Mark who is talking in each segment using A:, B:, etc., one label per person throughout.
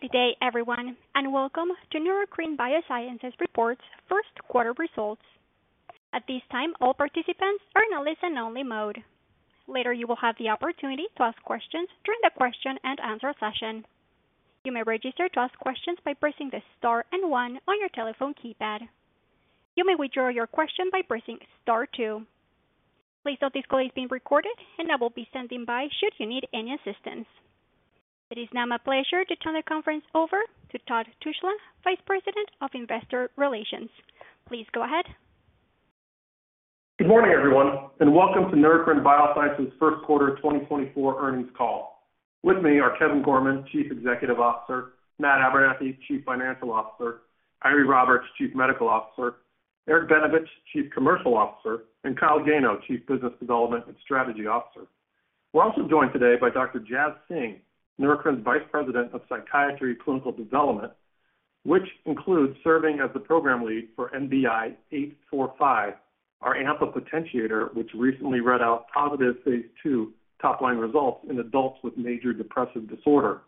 A: Good day, everyone, and welcome to Neurocrine Biosciences Reports first quarter results. At this time, all participants are in a listen-only mode. Later, you will have the opportunity to ask questions during the question and answer session. You may register to ask questions by pressing the star and one on your telephone keypad. You may withdraw your question by pressing star two. Please note this call is being recorded, and I will be standing by should you need any assistance. It is now my pleasure to turn the conference over to Todd Tushla, Vice President of Investor Relations. Please go ahead.
B: Good morning, everyone, and welcome to Neurocrine Biosciences first quarter 2024 earnings call. With me are Kevin Gorman, Chief Executive Officer; Matt Abernethy, Chief Financial Officer; Eiry Roberts, Chief Medical Officer; Eric Benevich, Chief Commercial Officer; and Kyle Gano, Chief Business Development and Strategy Officer. We're also joined today by Dr. Jaz Singh, Neurocrine's Vice President of Psychiatry Clinical Development, which includes serving as the program lead for NBI-845, our AMPA potentiator, which recently read out positive phase 2 top-line results in adults with major depressive disorder.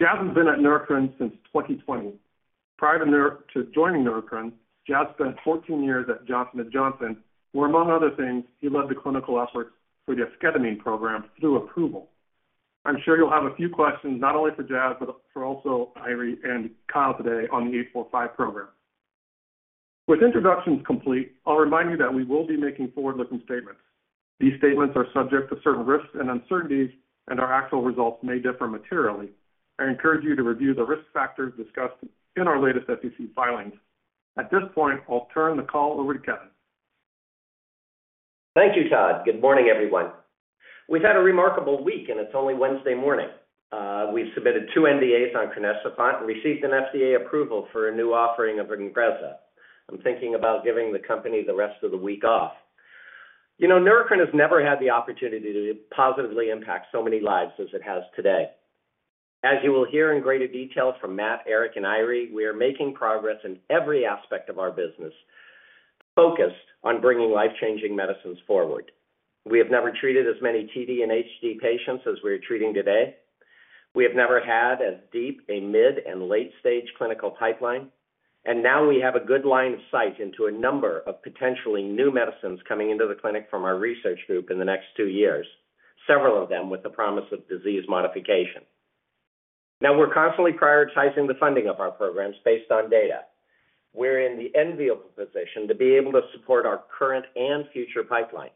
B: Jaz has been at Neurocrine since 2020. Prior to joining Neurocrine, Jaz spent 14 years at Johnson & Johnson, where among other things, he led the clinical efforts for the esketamine program through approval. I'm sure you'll have a few questions, not only for Jaz, but for also Eiry and Kyle today on the 845 program. With introductions complete, I'll remind you that we will be making forward-looking statements. These statements are subject to certain risks and uncertainties, and our actual results may differ materially. I encourage you to review the risk factors discussed in our latest SEC filings. At this point, I'll turn the call over to Kevin.
C: Thank you, Todd. Good morning, everyone. We've had a remarkable week, and it's only Wednesday morning. We've submitted two NDAs on crinecerfont and received an FDA approval for a new offering of INGREZZA. I'm thinking about giving the company the rest of the week off. You know, Neurocrine has never had the opportunity to positively impact so many lives as it has today. As you will hear in greater detail from Matt, Eric, and Eiry, we are making progress in every aspect of our business, focused on bringing life-changing medicines forward. We have never treated as many TD and HD patients as we are treating today. We have never had as deep a mid- and late-stage clinical pipeline, and now we have a good line of sight into a number of potentially new medicines coming into the clinic from our research group in the next two years, several of them with the promise of disease modification. Now, we're constantly prioritizing the funding of our programs based on data. We're in the enviable position to be able to support our current and future pipeline.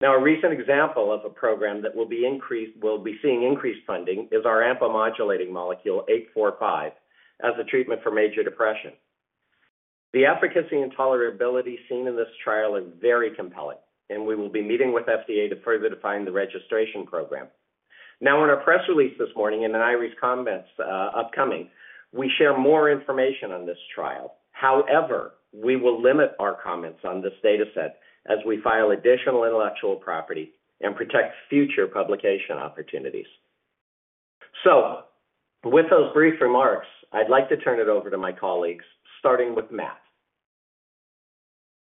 C: Now, a recent example of a program that will be seeing increased funding is our AMPA modulating molecule, 845, as a treatment for major depression. The efficacy and tolerability seen in this trial is very compelling, and we will be meeting with FDA to further define the registration program. Now, in our press release this morning, and in Eiry's upcoming comments, we share more information on this trial. However, we will limit our comments on this data set as we file additional intellectual property and protect future publication opportunities. So with those brief remarks, I'd like to turn it over to my colleagues, starting with Matt.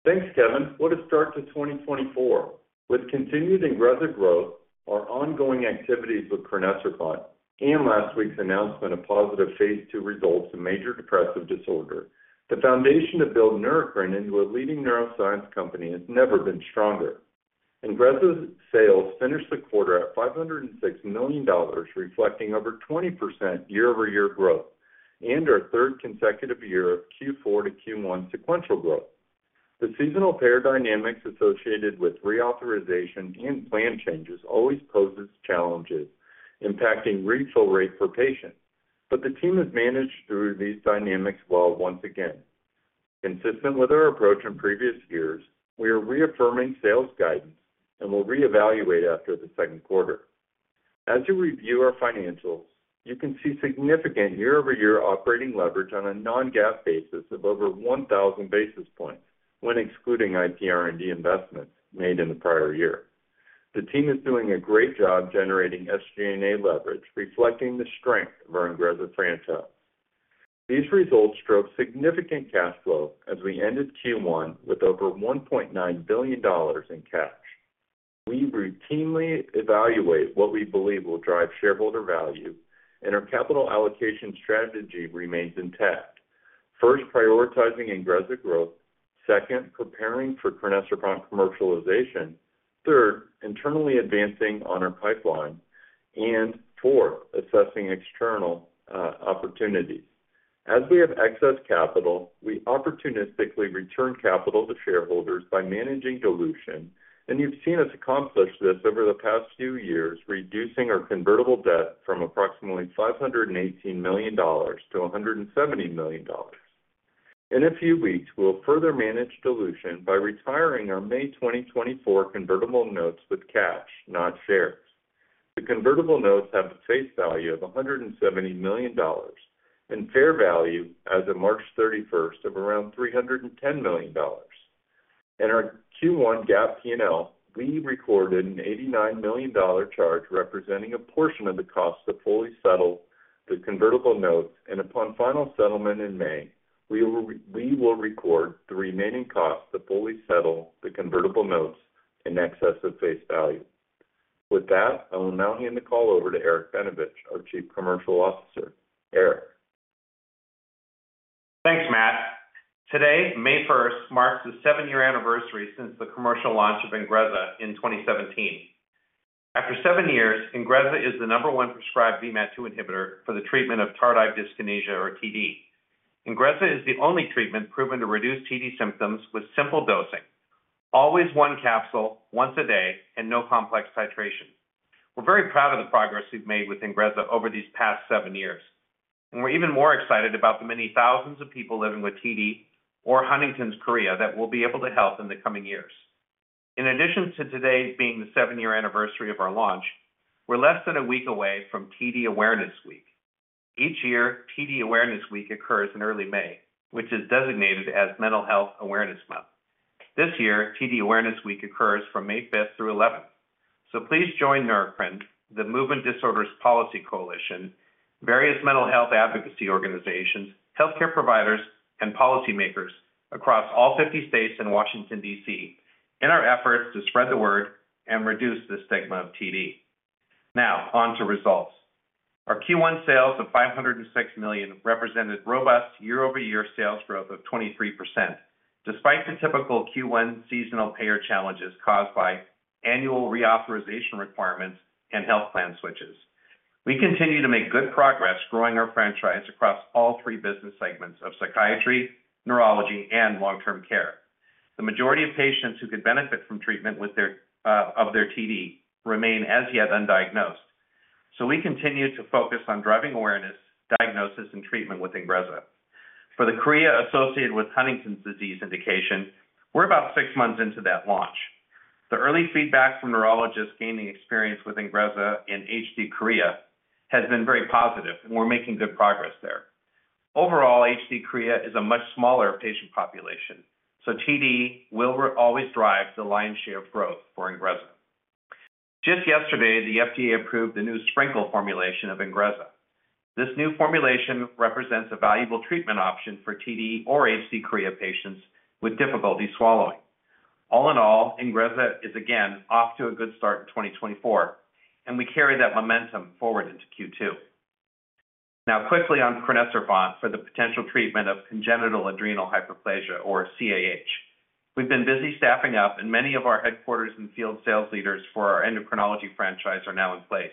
D: Thanks, Kevin. What a start to 2024! With continued INGREZZA growth, our ongoing activities with crinecerfont, and last week's announcement of positive phase two results in major depressive disorder, the foundation to build Neurocrine into a leading neuroscience company has never been stronger. INGREZZA's sales finished the quarter at $506 million, reflecting over 20% year-over-year growth and our third consecutive year of Q4 to Q1 sequential growth. The seasonal payer dynamics associated with reauthorization and plan changes always poses challenges impacting refill rates for patients, but the team has managed through these dynamics well, once again. Consistent with our approach in previous years, we are reaffirming sales guidance and will reevaluate after the second quarter. As you review our financials, you can see significant year-over-year operating leverage on a non-GAAP basis of over 1,000 basis points when excluding IP R&D investments made in the prior year. The team is doing a great job generating SG&A leverage, reflecting the strength of our INGREZZA franchise. These results drove significant cash flow as we ended Q1 with over $1.9 billion in cash. We routinely evaluate what we believe will drive shareholder value, and our capital allocation strategy remains intact. First, prioritizing INGREZZA growth, second, preparing for crinecerfont commercialization, third, internally advancing on our pipeline, and fourth, assessing external opportunities. As we have excess capital, we opportunistically return capital to shareholders by managing dilution, and you've seen us accomplish this over the past few years, reducing our convertible debt from approximately $518 million to $170 million. In a few weeks, we'll further manage dilution by retiring our May 2024 convertible notes with cash, not shares. The convertible notes have a face value of $170 million and fair value as of March 31 of around $310 million. In our Q1 GAAP P&L, we recorded an $89 million charge, representing a portion of the cost to fully settle the convertible notes, and upon final settlement in May, we will record the remaining cost to fully settle the convertible notes in excess of face value. With that, I will now hand the call over to Eric Benevich, our Chief Commercial Officer. Eric?
E: Thanks, Matt. Today, May 1, marks the 7-year anniversary since the commercial launch of INGREZZA in 2017. After 7 years, INGREZZA is the number 1 prescribed VMAT2 inhibitor for the treatment of tardive dyskinesia, or TD. INGREZZA is the only treatment proven to reduce TD symptoms with simple dosing, always 1 capsule, once a day, and no complex titration. We're very proud of the progress we've made with INGREZZA over these past 7 years, and we're even more excited about the many thousands of people living with TD or Huntington's chorea that we'll be able to help in the coming years. In addition to today being the 7-year anniversary of our launch, we're less than a week away from TD Awareness Week. Each year, TD Awareness Week occurs in early May, which is designated as Mental Health Awareness Month. This year, TD Awareness Week occurs from May fifth through eleventh. So please join Neurocrine, the Movement Disorders Policy Coalition, various mental health advocacy organizations, healthcare providers, and policymakers across all 50 states and Washington, D.C., in our efforts to spread the word and reduce the stigma of TD. Now, on to results. Our Q1 sales of $506 million represented robust year-over-year sales growth of 23%, despite the typical Q1 seasonal payer challenges caused by annual reauthorization requirements and health plan switches. We continue to make good progress growing our franchise across all three business segments of psychiatry, neurology, and long-term care. The majority of patients who could benefit from treatment with therapy for their TD remain as yet undiagnosed. So we continue to focus on driving awareness, diagnosis, and treatment with INGREZZA. For the chorea associated with Huntington's disease indication, we're about six months into that launch. The early feedback from neurologists gaining experience with INGREZZA in HD chorea has been very positive, and we're making good progress there. Overall, HD chorea is a much smaller patient population, so TD will always drive the lion's share of growth for INGREZZA. Just yesterday, the FDA approved a new sprinkle formulation of INGREZZA. This new formulation represents a valuable treatment option for TD or HD chorea patients with difficulty swallowing. All in all, INGREZZA is again off to a good start in 2024, and we carry that momentum forward into Q2. Now, quickly on crinecerfont for the potential treatment of congenital adrenal hyperplasia, or CAH. We've been busy staffing up, and many of our headquarters and field sales leaders for our endocrinology franchise are now in place.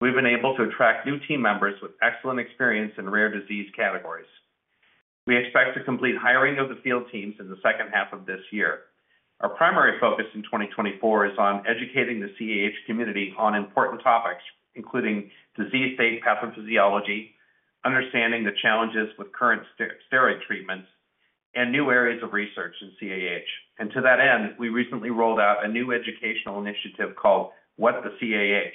E: We've been able to attract new team members with excellent experience in rare disease categories. We expect to complete hiring of the field teams in the second half of this year. Our primary focus in 2024 is on educating the CAH community on important topics, including disease state pathophysiology, understanding the challenges with current steroid treatments, and new areas of research in CAH. And to that end, we recently rolled out a new educational initiative called What the CAH?,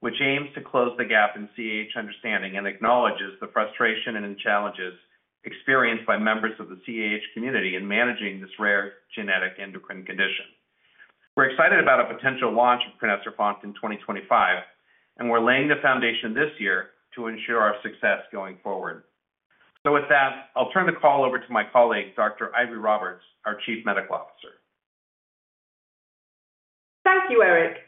E: which aims to close the gap in CAH understanding and acknowledges the frustration and challenges experienced by members of the CAH community in managing this rare genetic endocrine condition. We're excited about a potential launch of crinecerfont in 2025, and we're laying the foundation this year to ensure our success going forward. So with that, I'll turn the call over to my colleague, Dr. Eiry Roberts, our Chief Medical Officer.
F: Thank you, Eric.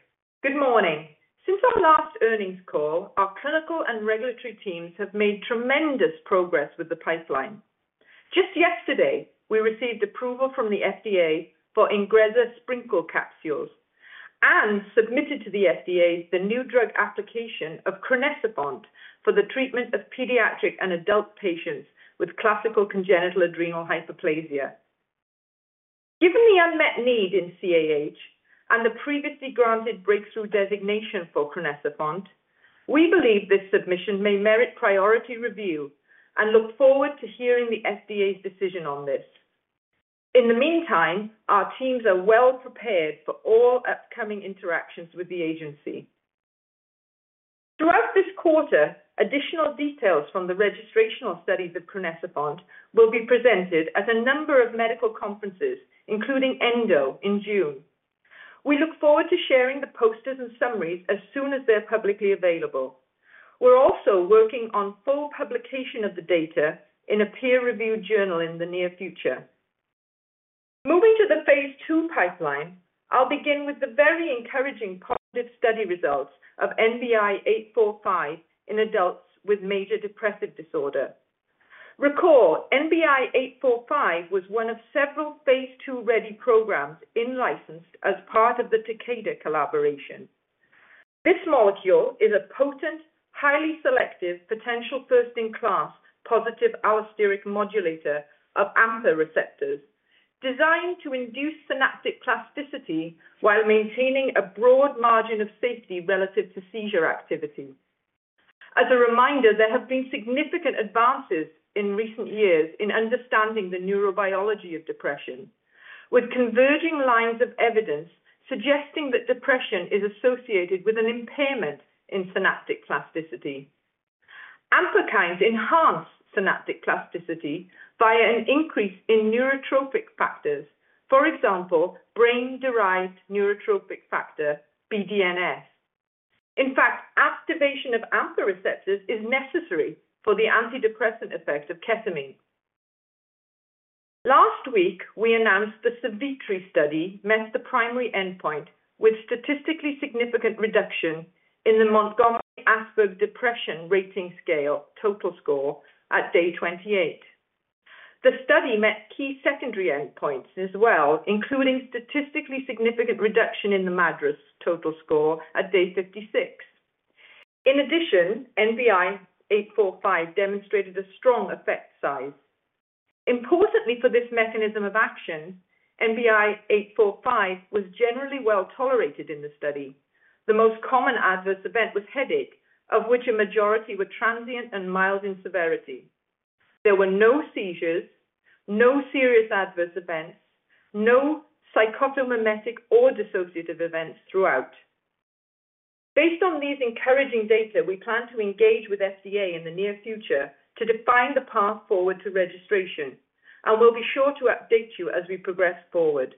F: Good morning. Since our last earnings call, our clinical and regulatory teams have made tremendous progress with the pipeline. Just yesterday, we received approval from the FDA for INGREZZA SPRINKLE capsules and submitted to the FDA the new drug application of crinecerfont for the treatment of pediatric and adult patients with classical congenital adrenal hyperplasia. Given the unmet need in CAH and the previously granted breakthrough designation for crinecerfont, we believe this submission may merit priority review and look forward to hearing the FDA's decision on this. In the meantime, our teams are well prepared for all upcoming interactions with the agency. Throughout this quarter, additional details from the registrational study of the crinecerfont will be presented at a number of medical conferences, including ENDO in June. We look forward to sharing the posters and summaries as soon as they're publicly available. We're also working on full publication of the data in a peer-reviewed journal in the near future. Moving to the Phase II pipeline, I'll begin with the very encouraging positive study results of NBI-845 in adults with major depressive disorder. Recall, NBI-845 was one of several Phase II-ready programs in-licensed as part of the Takeda collaboration. This molecule is a potent, highly selective, potential first-in-class, positive allosteric modulator of AMPA receptors, designed to induce synaptic plasticity while maintaining a broad margin of safety relative to seizure activity. As a reminder, there have been significant advances in recent years in understanding the neurobiology of depression, with converging lines of evidence suggesting that depression is associated with an impairment in synaptic plasticity. AMPA potentiators enhance synaptic plasticity via an increase in neurotrophic factors, for example, brain-derived neurotrophic factor, BDNF. In fact, activation of AMPA receptors is necessary for the antidepressant effects of ketamine. Last week, we announced the SAVITRY study met the primary endpoint with statistically significant reduction in the Montgomery-Åsberg Depression Rating Scale total score at day 28. The study met key secondary endpoints as well, including statistically significant reduction in the MADRS total score at day 56. In addition, NBI-845 demonstrated a strong effect size. Importantly, for this mechanism of action, NBI-845 was generally well tolerated in the study. The most common adverse event was headache, of which a majority were transient and mild in severity. There were no seizures, no serious adverse events, no psychotomimetic or dissociative events throughout. Based on these encouraging data, we plan to engage with FDA in the near future to define the path forward to registration, and we'll be sure to update you as we progress forward.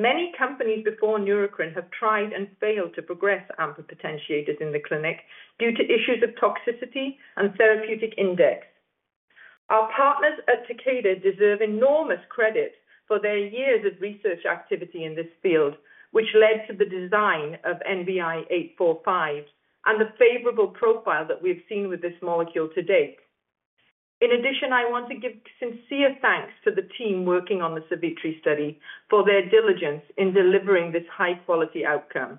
F: Many companies before Neurocrine have tried and failed to progress AMPA potentiators in the clinic due to issues of toxicity and therapeutic index. Our partners at Takeda deserve enormous credit for their years of research activity in this field, which led to the design of NBI-845 and the favorable profile that we've seen with this molecule to date. In addition, I want to give sincere thanks to the team working on the SAVITRY study for their diligence in delivering this high-quality outcome.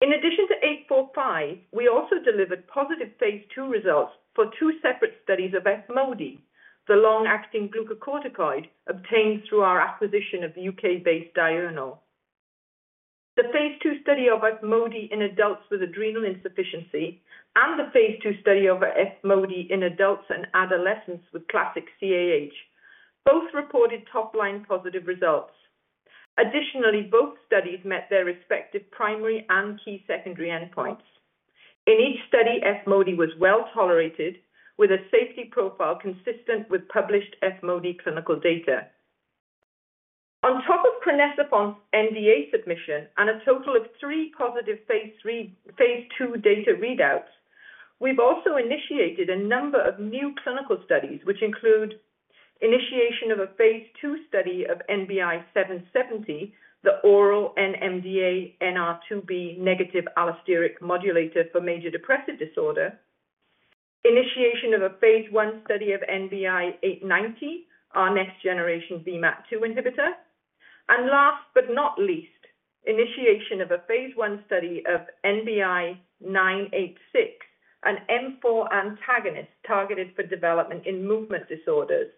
F: In addition to 845, we also delivered positive phase 2 results for two separate studies of Efmody, the long-acting glucocorticoid obtained through our acquisition of U.K.-based Diurnal. The phase 2 study of Efmody in adults with adrenal insufficiency and the phase 2 study of Efmody in adults and adolescents with classic CAH both reported top-line positive results. Additionally, both studies met their respective primary and key secondary endpoints. In each study, Efmody was well tolerated, with a safety profile consistent with published Efmody clinical data. On top of crinecerfont's NDA submission and a total of three positive phase 3-phase 2 data readouts, we've also initiated a number of new clinical studies, which include initiation of a phase 2 study of NBI-770, the oral NMDA NR2B negative allosteric modulator for major depressive disorder, initiation of a phase 1 study of NBI-890, our next generation VMAT2 inhibitor, and last but not least, initiation of a phase 1 study of NBI-986, an M4 antagonist targeted for development in movement disorders.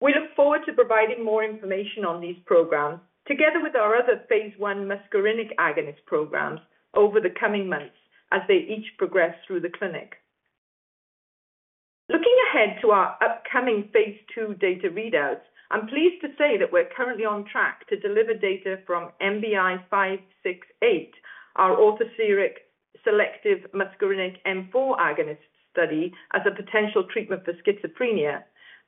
F: We look forward to providing more information on these programs, together with our other phase 1 muscarinic agonist programs over the coming months as they each progress through the clinic. Looking ahead to our upcoming phase 2 data readouts, I'm pleased to say that we're currently on track to deliver data from NBI-568, our orthosteric selective muscarinic M4 agonist study as a potential treatment for schizophrenia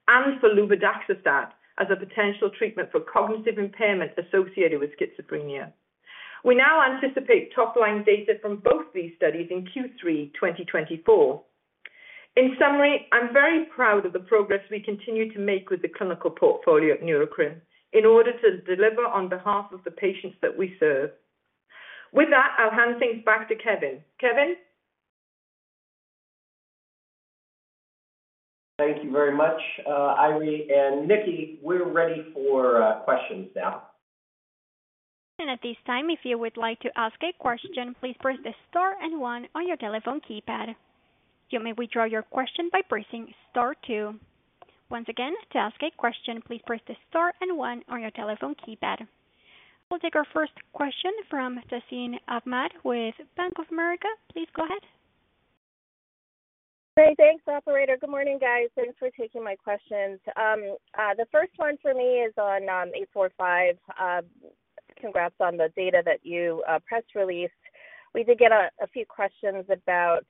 F: and for luvadaxistat as a potential treatment for cognitive impairment associated with schizophrenia. We now anticipate top-line data from both these studies in Q3 2024. In summary, I'm very proud of the progress we continue to make with the clinical portfolio at Neurocrine in order to deliver on behalf of the patients that we serve. With that, I'll hand things back to Kevin. Kevin?
C: Thank you very much, Eiry and Eric. We're ready for questions now.
A: At this time, if you would like to ask a question, please press star and one on your telephone keypad. You may withdraw your question by pressing star two. Once again, to ask a question, please press star and one on your telephone keypad. We'll take our first question from Tazeen Ahmad with Bank of America. Please go ahead.
G: Great, thanks, operator. Good morning, guys. Thanks for taking my questions. The first one for me is on NBI-845. Congrats on the data that you press released. We did get a few questions about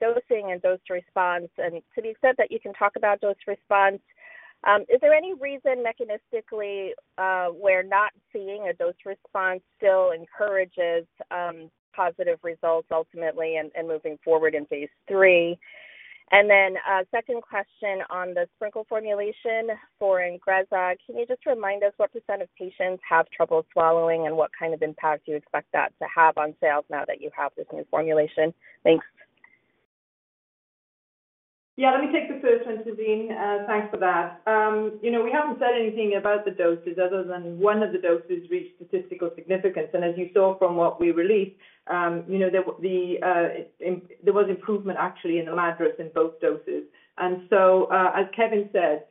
G: dosing and dose response, and to the extent that you can talk about dose response, is there any reason mechanistically we're not seeing a dose response still encourages positive results ultimately and moving forward in phase 3? And then second question on the sprinkle formulation for INGREZZA. Can you just remind us what % of patients have trouble swallowing and what kind of impact you expect that to have on sales now that you have this new formulation? Thanks.
F: Yeah, let me take the first one, Tazeen. Thanks for that. You know, we haven't said anything about the doses other than one of the doses reached statistical significance. And as you saw from what we released, you know, there was improvement actually in the MADRS in both doses. And so, as Kevin said,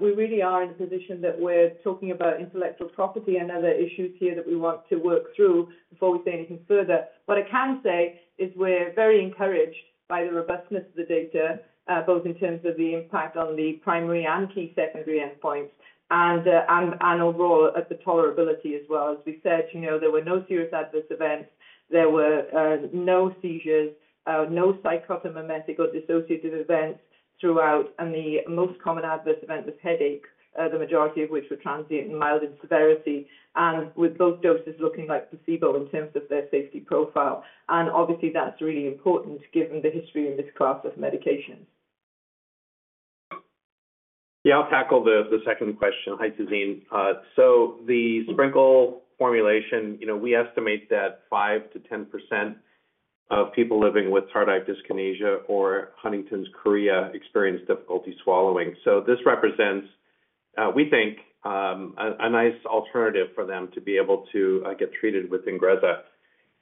F: we really are in a position that we're talking about intellectual property and other issues here that we want to work through before we say anything further. What I can say is we're very encouraged by the robustness of the data, both in terms of the impact on the primary and key secondary endpoints and overall at the tolerability as well. As we said, you know, there were no serious adverse events. There were no seizures, no psychotomimetic or dissociative events throughout, and the most common adverse event was headache, the majority of which were transient and mild in severity, and with both doses looking like placebo in terms of their safety profile. And obviously, that's really important given the history in this class of medications.
E: Yeah, I'll tackle the second question. Hi, Tazeen. So the sprinkle formulation, you know, we estimate that 5%-10% of people living with tardive dyskinesia or Huntington's chorea experience difficulty swallowing. So this represents, we think, a nice alternative for them to be able to get treated with INGREZZA.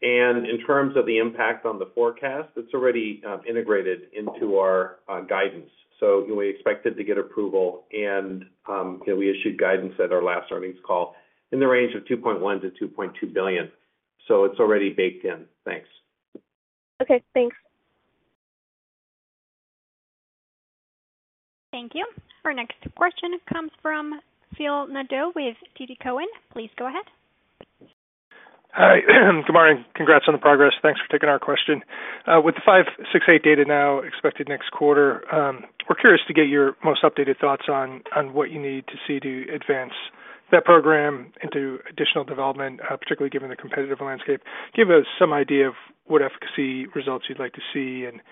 E: And in terms of the impact on the forecast, it's already integrated into our guidance. So we expect it to get approval, and, you know, we issued guidance at our last earnings call in the range of $2.1 billion-$2.2 billion. So it's already baked in. Thanks.
G: Okay, thanks.
A: Thank you. Our next question comes from Phil Nadeau with TD Cowen. Please go ahead.
G: Hi, good morning. Congrats on the progress. Thanks for taking our question. With the 568 data now expected next quarter, we're curious to get your most updated thoughts on what you need to see to advance that program into additional development, particularly given the competitive landscape. Give us some idea of what efficacy results you'd like to see and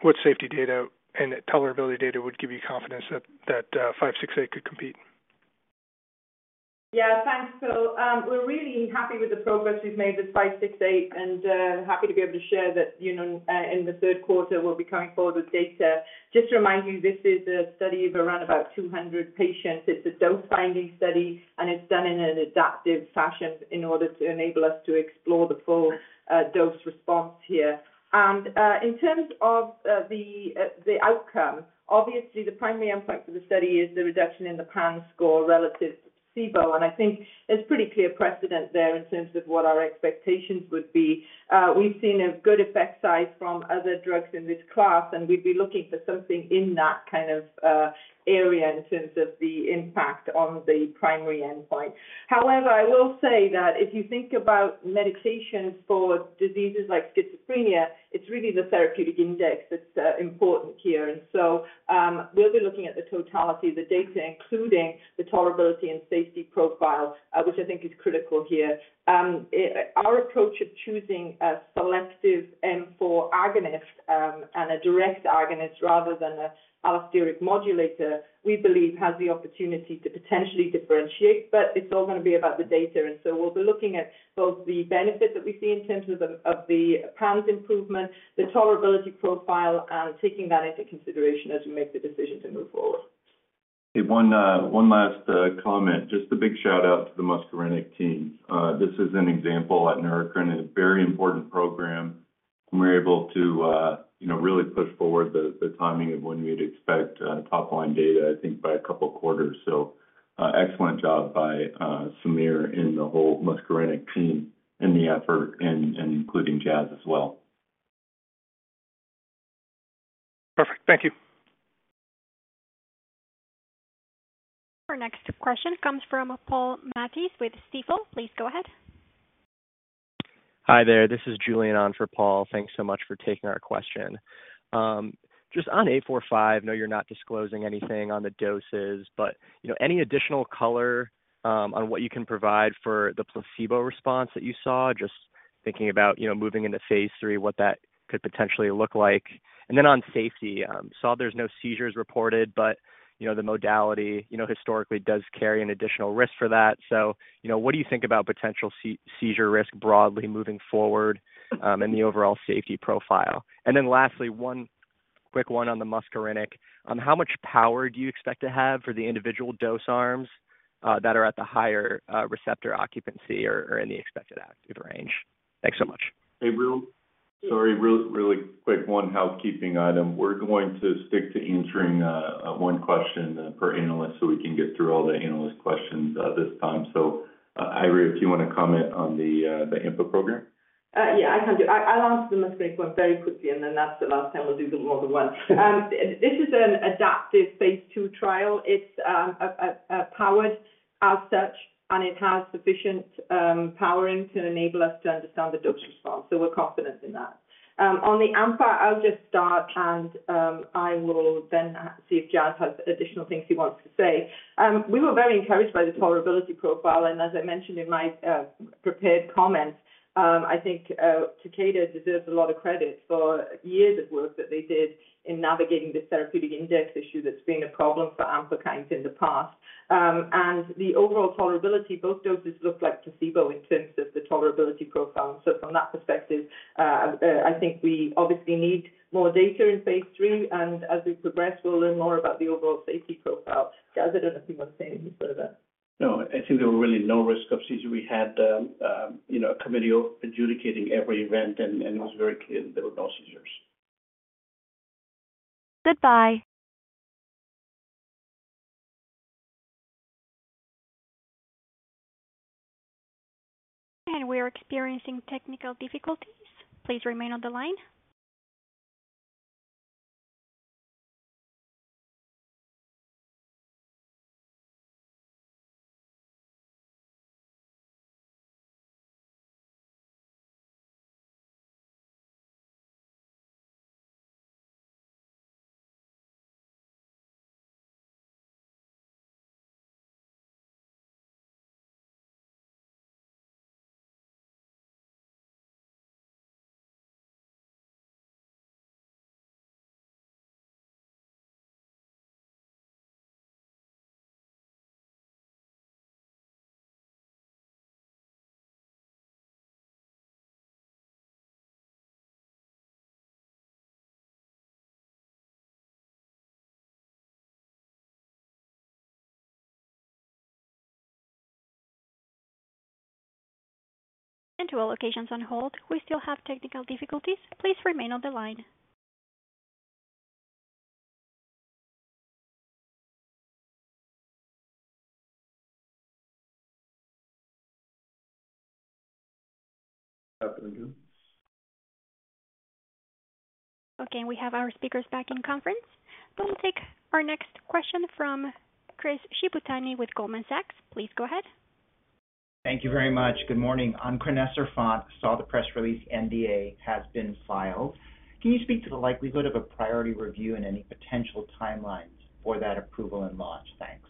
G: what safety data and tolerability data would give you confidence that 568 could compete.
F: Yeah, thanks, Phil. We're really happy with the progress we've made with five six eight, and happy to be able to share that, you know, in the third quarter, we'll be coming forward with data. Just to remind you, this is a study of around about 200 patients. It's a dose-finding study, and it's done in an adaptive fashion in order to enable us to explore the full dose response here. And in terms of the outcome, obviously, the primary endpoint of the study is the reduction in the PANSS score relative to placebo. And I think there's pretty clear precedent there in terms of what our expectations would be. We've seen a good effect size from other drugs in this class, and we'd be looking for something in that kind of area in terms of the impact on the primary endpoint. However, I will say that if you think about medications for diseases like schizophrenia, it's really the therapeutic index that's important here. And so, we'll be looking at the totality of the data, including the tolerability and safety profile, which I think is critical here. Our approach of choosing a selective M4 agonist, and a direct agonist rather than an allosteric modulator, we believe, has the opportunity to potentially differentiate, but it's all going to be about the data. And so we'll be looking at both the benefit that we see in terms of the PANSS improvement, the tolerability profile, and taking that into consideration as we make the decision to move forward.
D: One, one last comment. Just a big shout-out to the muscarinic team. This is an example at Neurocrine, a very important program, and we're able to, you know, really push forward the, the timing of when you'd expect, top-line data, I think, by a couple of quarters. So, excellent job by, Samir and the whole muscarinic team in the effort and, and including Jazz as well.
G: Perfect. Thank you.
A: Our next question comes from Paul Matteis with Stifel. Please go ahead.
G: Hi there. This is Julian on for Paul. Thanks so much for taking our question. Just on NBI-845, I know you're not disclosing anything on the doses, but, you know, any additional color, on what you can provide for the placebo response that you saw? Just thinking about, you know, moving into phase 3, what that could potentially look like. And then on safety, saw there's no seizures reported, but, you know, the modality, you know, historically does carry an additional risk for that. So, you know, what do you think about potential seizure risk broadly moving forward, in the overall safety profile? And then lastly, one quick one on the muscarinic. How much power do you expect to have for the individual dose arms, that are at the higher, receptor occupancy or, or in the expected active range? Thanks so much.
D: Hey, Kyle. Sorry, Kyle, really quick, one housekeeping item. We're going to stick to answering one question per analyst so we can get through all the analyst questions this time. So, Eiry, do you want to comment on the AMPA program?
F: Yeah, I can do. I'll answer the muscarinic one very quickly, and then that's the last time we'll do the more than one. This is an adaptive phase 2 trial. It's powered as such, and it has sufficient powering to enable us to understand the dose response. So we're confident in that. On the AMPA, I'll just start, and I will then see if Jaz has additional things he wants to say. We were very encouraged by the tolerability profile, and as I mentioned in my prepared comments, I think Takeda deserves a lot of credit for years of work that they did in navigating this therapeutic index issue that's been a problem for AMPA in the past. And the overall tolerability, both doses looked like placebo in terms of the tolerability profile. From that perspective, I think we obviously need more data in phase 3, and as we progress, we'll learn more about the overall safety profile. Jaz, I don't know if you want to say anything further.
E: No, I think there were really no risk of seizure. We had, you know, a committee adjudicating every event, and it was very clear there were no seizures.
A: Goodbye. We're experiencing technical difficulties. Please remain on the line... To all locations on hold, we still have technical difficulties. Please remain on the line.
D: Afternoon.
A: Okay, we have our speakers back in conference. We'll take our next question from Chris Shibutani with Goldman Sachs. Please go ahead.
G: Thank you very much. Good morning. On crinecerfont, saw the press release, NDA has been filed. Can you speak to the likelihood of a priority review and any potential timelines for that approval and launch? Thanks.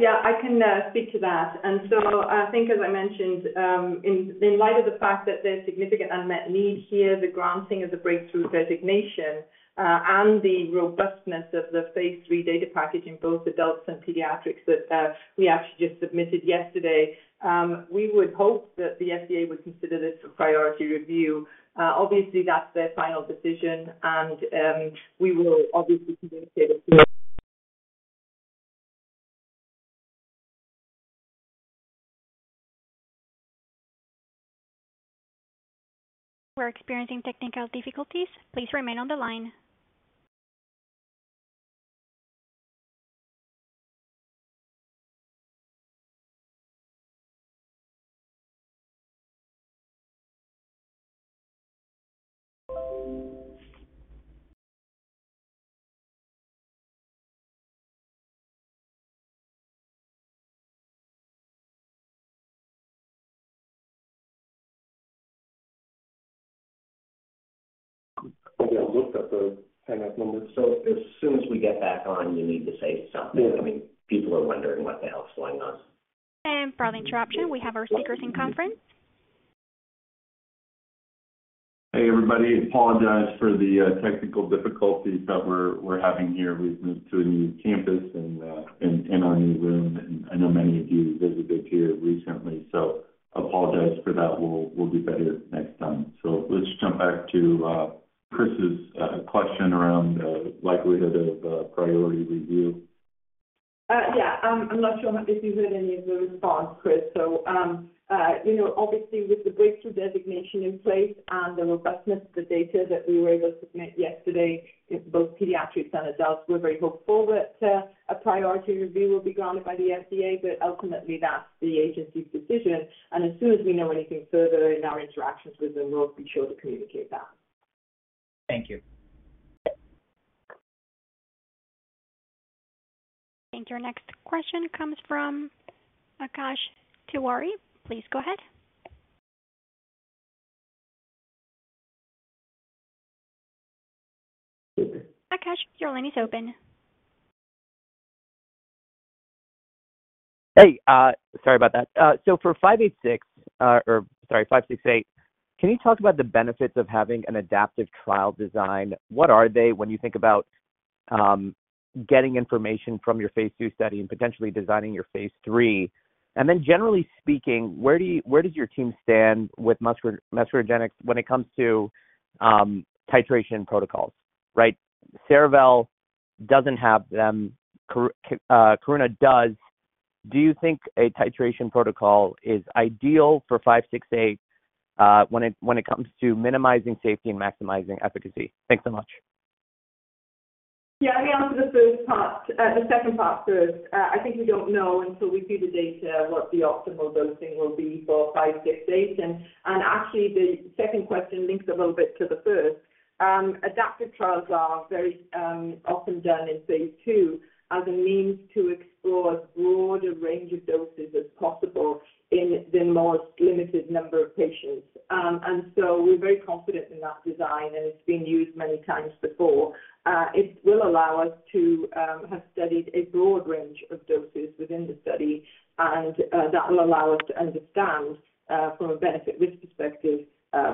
F: Yeah, I can speak to that. And so I think, as I mentioned, in light of the fact that there's significant unmet need here, the granting of the breakthrough designation, and the robustness of the phase 3 data package in both adults and pediatrics, that we actually just submitted yesterday, we would hope that the FDA would consider this a priority review. Obviously, that's their final decision, and we will obviously communicate with you.
A: We're experiencing technical difficulties. Please remain on the line.
D: I think I looked up the hang-up number.
C: As soon as we get back on, you need to say something.
D: Yeah. I mean, people are wondering what the hell is going on.
A: And for our interruption, we have our speakers in conference.
D: Hey, everybody, apologize for the technical difficulties that we're having here. We've moved to a new campus and in our new room, and I know many of you visited here recently, so apologize for that. We'll do better next time. So let's jump back to Chris's question around the likelihood of a priority review.
F: Yeah, I'm not sure if you heard any of the response, Chris. So, you know, obviously, with the breakthrough designation in place and the robustness of the data that we were able to submit yesterday in both pediatrics and adults, we're very hopeful that a priority review will be granted by the FDA. But ultimately, that's the agency's decision, and as soon as we know anything further in our interactions with them, we'll be sure to communicate that.
G: Thank you.
A: Your next question comes from Akash Tewari. Please go ahead. Akash, your line is open.
G: Hey, sorry about that. So for NBI-568, can you talk about the benefits of having an adaptive trial design? What are they when you think about getting information from your phase 2 study and potentially designing your phase 3? And then generally speaking, where does your team stand with muscarinics when it comes to titration protocols, right? Cerevel doesn't have them, Karuna does. Do you think a titration protocol is ideal for NBI-568 when it comes to minimizing safety and maximizing efficacy? Thanks so much.
F: Yeah, let me answer the first part, the second part first. I think we don't know until we see the data, what the optimal dosing will be for 568. And actually, the second question links a little bit to the first. Adaptive trials are very often done in phase 2 as a means to explore as broad a range of doses as possible in the most limited number of patients. And so we're very confident in that design, and it's been used many times before. It will allow us to have studied a broad range of doses within the study, and that will allow us to understand from a benefit-risk perspective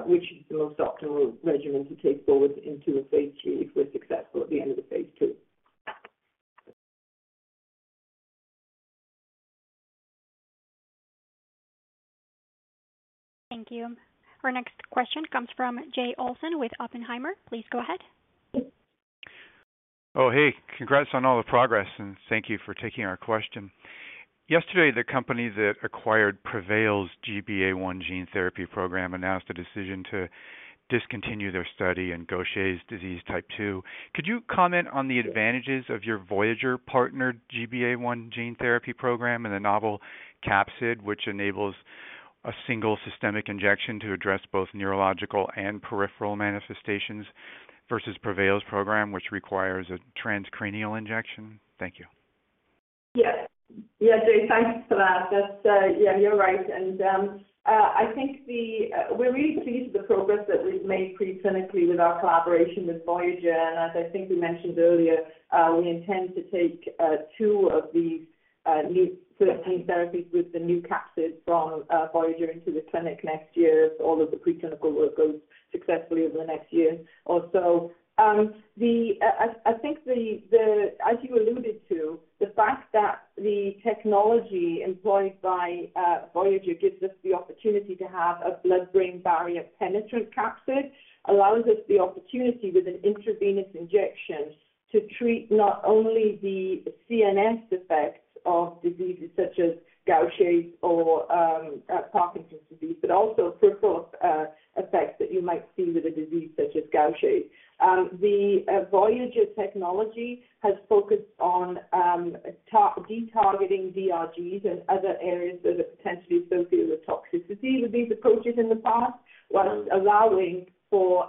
F: which is the most optimal regimen to take forward into a phase 2, if we're successful at the end of the phase 2.
A: Thank you. Our next question comes from Jay Olson with Oppenheimer. Please go ahead.
G: Oh, hey, congrats on all the progress, and thank you for taking our question. Yesterday, the company that acquired Prevail's GBA1 gene therapy program announced a decision to discontinue their study in Gaucher disease type 2. Could you comment on the advantages of your Voyager partnered GBA1 gene therapy program and the novel capsid, which enables a single systemic injection to address both neurological and peripheral manifestations versus Prevail's program, which requires a transcranial injection? Thank you.
F: Yes. Yes, Jay, thanks for that. That's, yeah, you're right, and, I think the, we're really pleased with the progress that was made preclinically with our collaboration with Voyager, and as I think we mentioned earlier, we intend to take, two of these, new gene therapies with the new capsid from, Voyager into the clinic next year, if all of the preclinical work goes successfully over the next year or so. I think the, as you alluded to, the fact that the technology employed by Voyager gives us the opportunity to have a blood-brain barrier penetrant capsid, allows us the opportunity with an intravenous injection to treat not only the CNS effects of diseases such as Gaucher or Parkinson's disease, but also peripheral effects that you might see with a disease such as Gaucher. The Voyager technology has focused on detargeting DRGs and other areas that are potentially associated with toxicity with these approaches in the past, while allowing for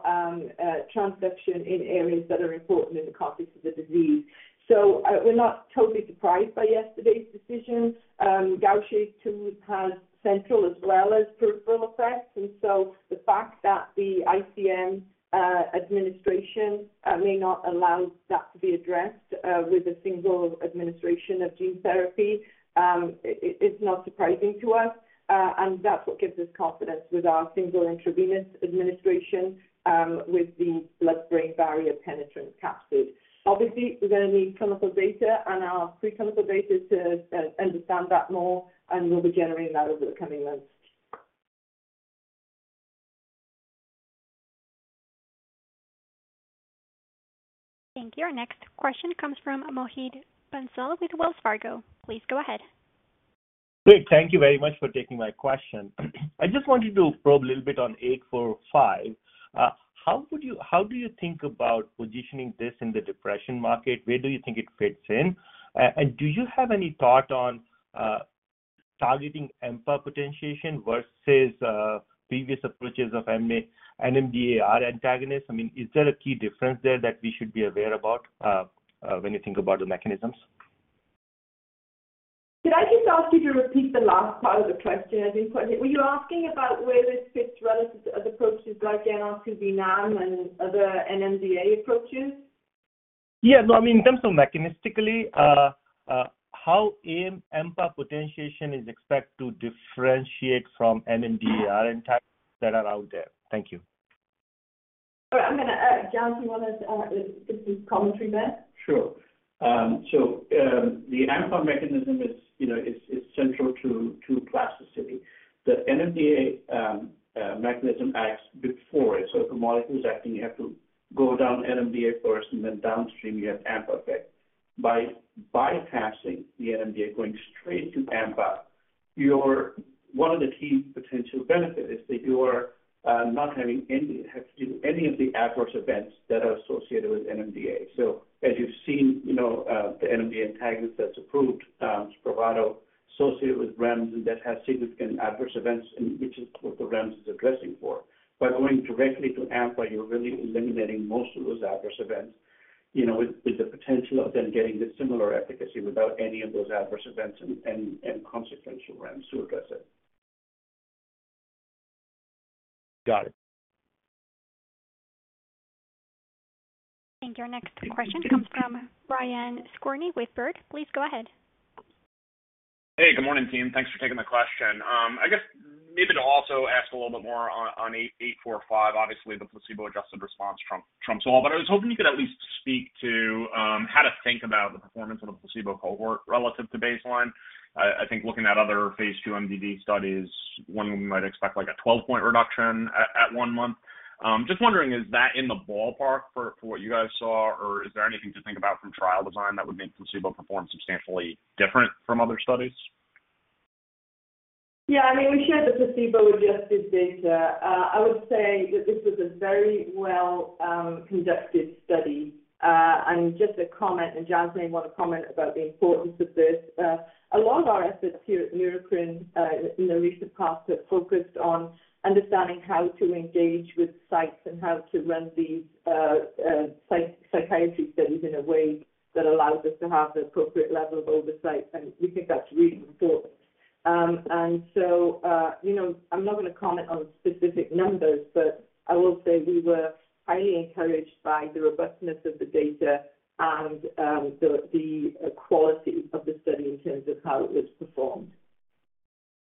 F: transduction in areas that are important in the context of the disease. So, we're not totally surprised by yesterday's decision. Gaucher two has central as well as peripheral effects, and so the fact that the ICM administration may not allow that to be addressed with a single administration of gene therapy, it's not surprising to us. And that's what gives us confidence with our single intravenous administration with the blood-brain barrier penetrant capsid. Obviously, we're gonna need clinical data and our preclinical data to understand that more, and we'll be generating that over the coming months.
A: Thank you. Our next question comes from Mohit Bansal with Wells Fargo. Please go ahead.
G: Great, thank you very much for taking my question. I just wanted to probe a little bit on 845. How do you think about positioning this in the depression market? Where do you think it fits in? And do you have any thought on targeting AMPA potentiation versus previous approaches of MA, NMDAR antagonist? I mean, is there a key difference there that we should be aware about when you think about the mechanisms?
F: Could I just ask you to repeat the last part of the question? I think what... Were you asking about where this fits relative to other approaches like an allosteric NAM and other NMDA approaches?
G: Yeah. No, I mean, in terms of mechanistically, how AMPA potentiation is expected to differentiate from NMDAR antagonists that are out there. Thank you.
F: All right. I'm gonna, Jaz, you want to give your commentary there?
H: Sure. So, the AMPA mechanism is, you know, central to plasticity. The NMDA mechanism acts before it. So if a molecule is acting, you have to go down NMDA first, and then downstream you have AMPA effect. By bypassing the NMDA, going straight to AMPA, your... One of the key potential benefit is that you are not having to do any of the adverse events that are associated with NMDA. So as you've seen, you know, the NMDA antagonist that's approved, SPRAVATO, associated with REMS and that has significant adverse events, and which is what the REMS is addressing for. By going directly to AMPA, you're really eliminating most of those adverse events, you know, with the potential of then getting the similar efficacy without any of those adverse events and consequential REMS to address it.
G: Got it.
A: Thank you. Our next question comes from Brian Skorney with Baird. Please go ahead.
G: Hey, good morning, team. Thanks for taking the question. I guess maybe to also ask a little bit more on 845. Obviously, the placebo-adjusted response trumps, trumps all, but I was hoping you could at least speak to how to think about the performance of the placebo cohort relative to baseline. I think looking at other phase 2 MDD studies, we might expect like a 12-point reduction at 1 month. Just wondering, is that in the ballpark for what you guys saw, or is there anything to think about from trial design that would make placebo perform substantially different from other studies?
F: Yeah, I mean, we shared the placebo-adjusted data. I would say that this was a very well conducted study. Just a comment, and Jaz may want to comment about the importance of this. A lot of our efforts here at Neurocrine, in the recent past, have focused on understanding how to engage with sites and how to run these psychiatry studies in a way that allows us to have the appropriate level of oversight, and we think that's really important. So, you know, I'm not going to comment on specific numbers, but I will say we were highly encouraged by the robustness of the data and the quality of the study in terms of how it was performed.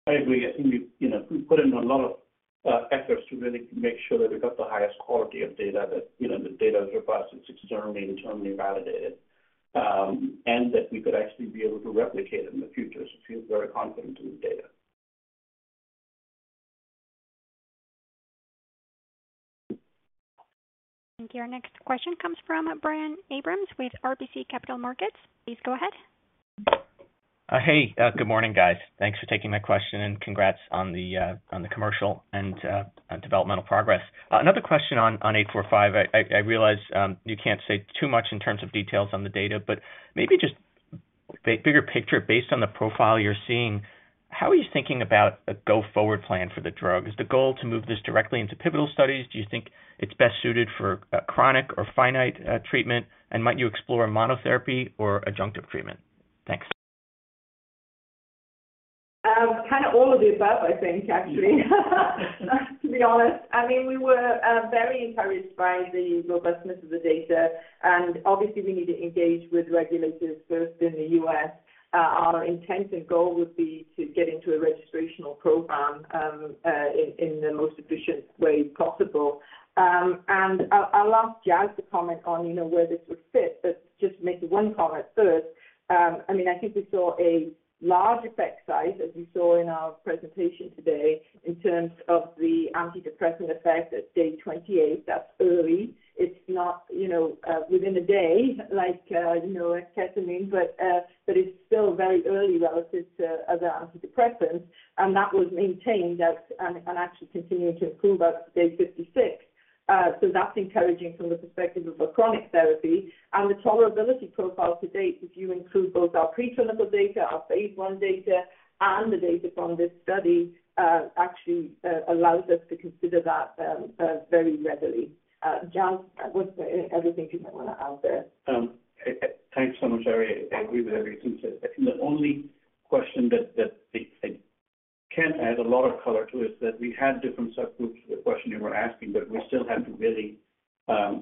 H: I agree. I think we, you know, we put in a lot of efforts to really make sure that we got the highest quality of data, that, you know, the data is robust. It's externally and internally validated, and that we could actually be able to replicate it in the future. So feel very confident in the data.
A: Thank you. Our next question comes from Brian Abrahams with RBC Capital Markets. Please go ahead.
I: Hey, good morning, guys. Thanks for taking my question, and congrats on the commercial and developmental progress. Another question on eight four five. I, I, I realize you can't say too much in terms of details on the data, but maybe just bigger picture based on the profile you're seeing, how are you thinking about a go-forward plan for the drug? Is the goal to move this directly into pivotal studies? Do you think it's best suited for chronic or finite treatment? And might you explore monotherapy or adjunctive treatment? Thanks.
F: Kind of all of the above, I think, actually, to be honest. I mean, we were very encouraged by the robustness of the data, and obviously, we need to engage with regulators first in the U.S. Our intent and goal would be to get into a registrational program, in the most efficient way possible. And I'll ask Jaz to comment on, you know, where this would fit, but just to make one comment first. I mean, I think we saw a large effect size, as we saw in our presentation today, in terms of the antidepressant effect at day 28. That's early. It's not, you know, within a day, like, you know, ketamine, but it's still very early relative to other antidepressants, and that was maintained at, and actually continued to improve up to day 56. So that's encouraging from the perspective of a chronic therapy. The tolerability profile to date, if you include both our preclinical data, our phase 1 data, and the data from this study, actually allows us to consider that very readily. Jaz, what everything you might want to add there?
D: Thanks so much, Eiry.I agree with everything you said. I think the only question that I can't add a lot of color to is that we had different subgroups to the question you were asking, but we still have to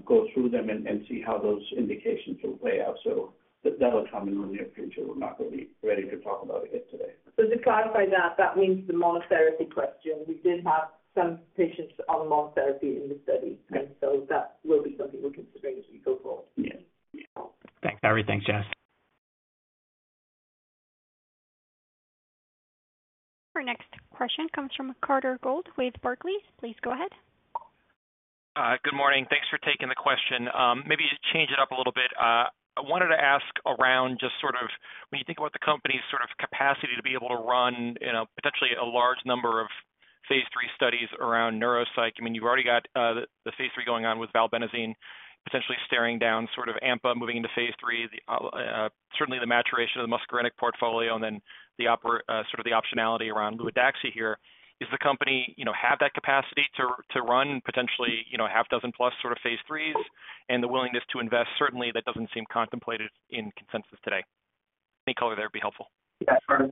D: go through them and see how those indications will play out. So that'll come in the near future. We're not going to be ready to talk about it yet today.
F: To clarify that, that means the monotherapy question. We did have some patients on monotherapy in the study.
D: Right.
F: That will be something we're considering as we go forward.
D: Yeah.
I: Thanks, Eiry. Thanks, Jaz.
A: Our next question comes from Carter Gould with Barclays. Please go ahead.
J: Good morning. Thanks for taking the question. Maybe to change it up a little bit. I wanted to ask around just sort of when you think about the company's sort of capacity to be able to run, you know, potentially a large number of phase 3 studies around neuropsych. I mean, you've already got the phase 3 going on with valbenazine, potentially staring down sort of AMPA, moving into phase 3, certainly the maturation of the muscarinic portfolio and then sort of the optionality around luvadaxistat here. Is the company, you know, have that capacity to run potentially, you know, a half dozen plus sort of phase 3s and the willingness to invest? Certainly, that doesn't seem contemplated in consensus today. Any color there would be helpful.
C: Yeah, Carter.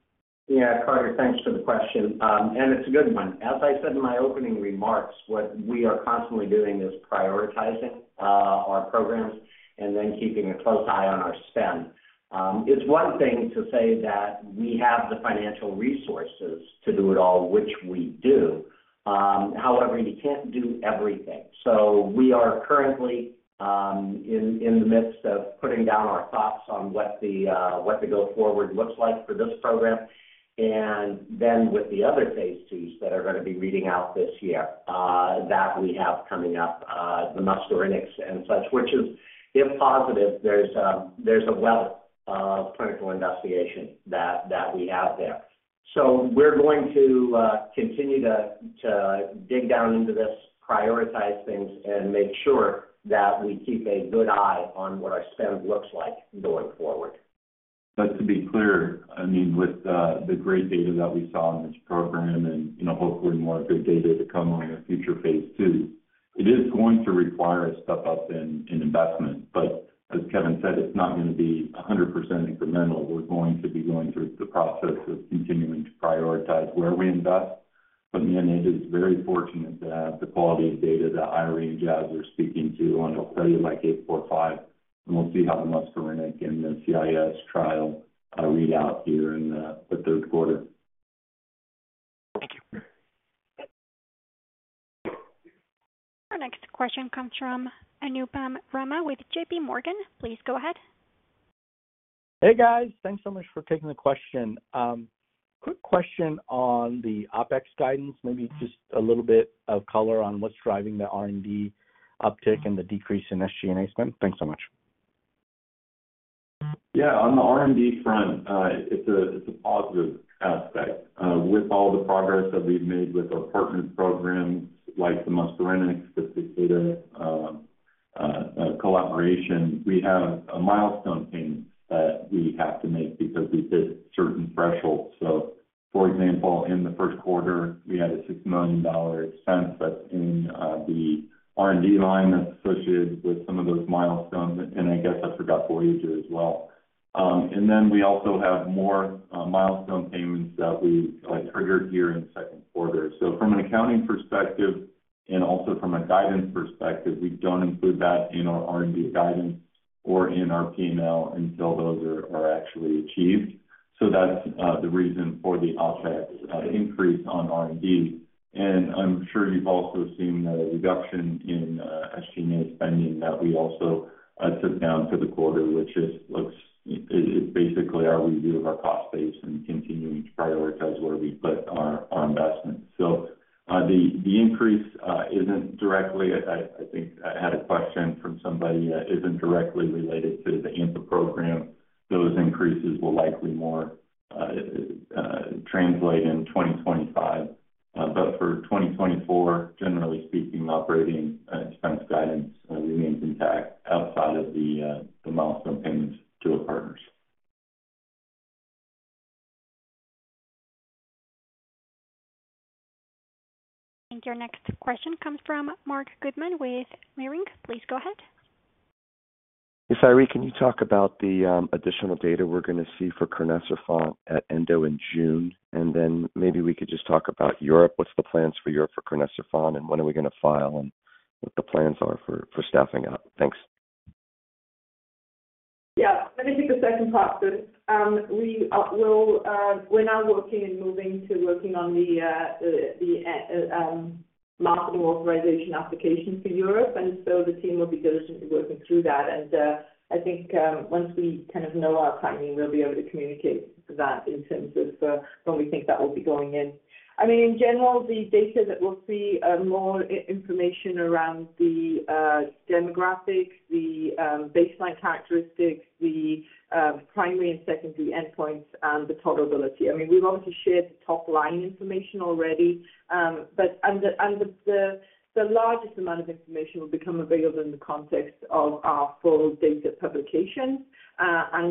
C: Yeah, Carter, thanks for the question, and it's a good one. As I said in my opening remarks, what we are constantly doing is prioritizing our programs and then keeping a close eye on our spend. It's one thing to say that we have the financial resources to do it all, which we do. However, you can't do everything. So we are currently in the midst of putting down our thoughts on what the go forward looks like for this program. And then with the other phase 2s that are going to be reading out this year that we have coming up, the muscarinic and such, which is, if positive, there's a wealth of clinical investigation that we have there. So we're going to continue to dig down into this, prioritize things, and make sure that we keep a good eye on what our spend looks like going forward.
D: But to be clear, I mean, with the great data that we saw in this program and, you know, hopefully more good data to come on a future phase 2, it is going to require a step up in investment. But as Kevin said, it's not going to be 100% incremental. We're going to be going through the process of continuing to prioritize where we invest. But again, it is very fortunate to have the quality of data that Eiry, Jaz are speaking to on a study like 845, and we'll see how the muscarinic in the CIAS trial read out here in the third quarter.
J: Thank you.
A: Our next question comes from Anupam Rama with JP Morgan. Please go ahead.
K: Hey, guys. Thanks so much for taking the question. Quick question on the OpEx guidance. Maybe just a little bit of color on what's driving the R&D uptick and the decrease in SG&A spend. Thanks so much.
D: Yeah. On the R&D front, it's a, it's a positive aspect. With all the progress that we've made with our partners programs, like the muscarinic, specific data, collaboration, we have a milestone payment that we have to make because we hit certain thresholds. So, for example, in the first quarter, we had a $6 million expense that's in the R&D line that's associated with some of those milestones, and I guess I forgot Voyager as well. And then we also have more milestone payments that we triggered here in second quarter. So from an accounting perspective, and also from a guidance perspective, we don't include that in our R&D guidance or in our P&L until those are actually achieved. So that's the reason for the OpEx increase on R&D. I'm sure you've also seen a reduction in SG&A spending that we also took down for the quarter, which is, it, it's basically our review of our cost base and continuing to prioritize where we put our investments. So, the increase isn't directly, I think I had a question from somebody, isn't directly related to the AMPA program. Those increases will likely more translate in 2025. But for 2024, generally speaking, operating expense guidance remains intact outside of the milestone payments to our partners.
A: Your next question comes from Marc Goodman with Leerink. Please go ahead.
L: Yes, Eiry, can you talk about the additional data we're gonna see for crinecerfont at Endo in June? Then maybe we could just talk about Europe. What's the plans for Europe for crinecerfont, and when are we gonna file, and what the plans are for staffing up? Thanks.
F: Yeah, let me take the second part first. We will, we're now working and moving to working on the marketing authorization application for Europe, and so the team will be diligently working through that. And, I think, once we kind of know our timing, we'll be able to communicate that in terms of, when we think that will be going in. I mean, in general, the data that we'll see are more information around the demographics, the baseline characteristics, the primary and secondary endpoints, and the tolerability. I mean, we've obviously shared the top-line information already, but the largest amount of information will become available in the context of our full data publication.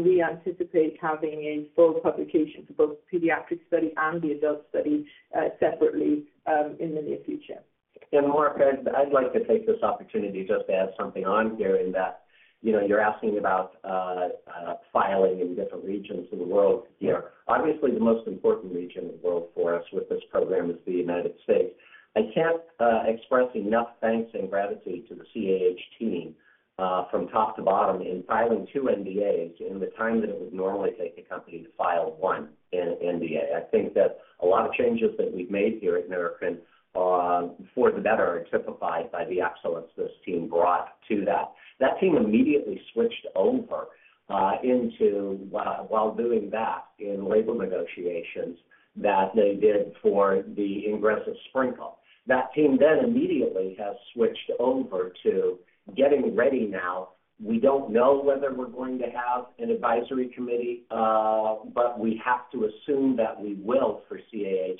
F: We anticipate having a full publication for both pediatric study and the adult study, separately, in the near future.
C: Mark, I'd like to take this opportunity just to add something on here in that, you know, you're asking about filing in different regions of the world here. Obviously, the most important region in the world for us with this program is the United States. I can't express enough thanks and gratitude to the CAH team, from top to bottom, in filing two NDAs in the time that it would normally take a company to file one NDA. I think that a lot of changes that we've made here at Neurocrine, for the better, are typified by the excellence this team brought to that. That team immediately switched over and, while doing that, in label negotiations that they did for the Ingrezza Sprinkle. That team then immediately has switched over to getting ready now. We don't know whether we're going to have an advisory committee, but we have to assume that we will for CAH.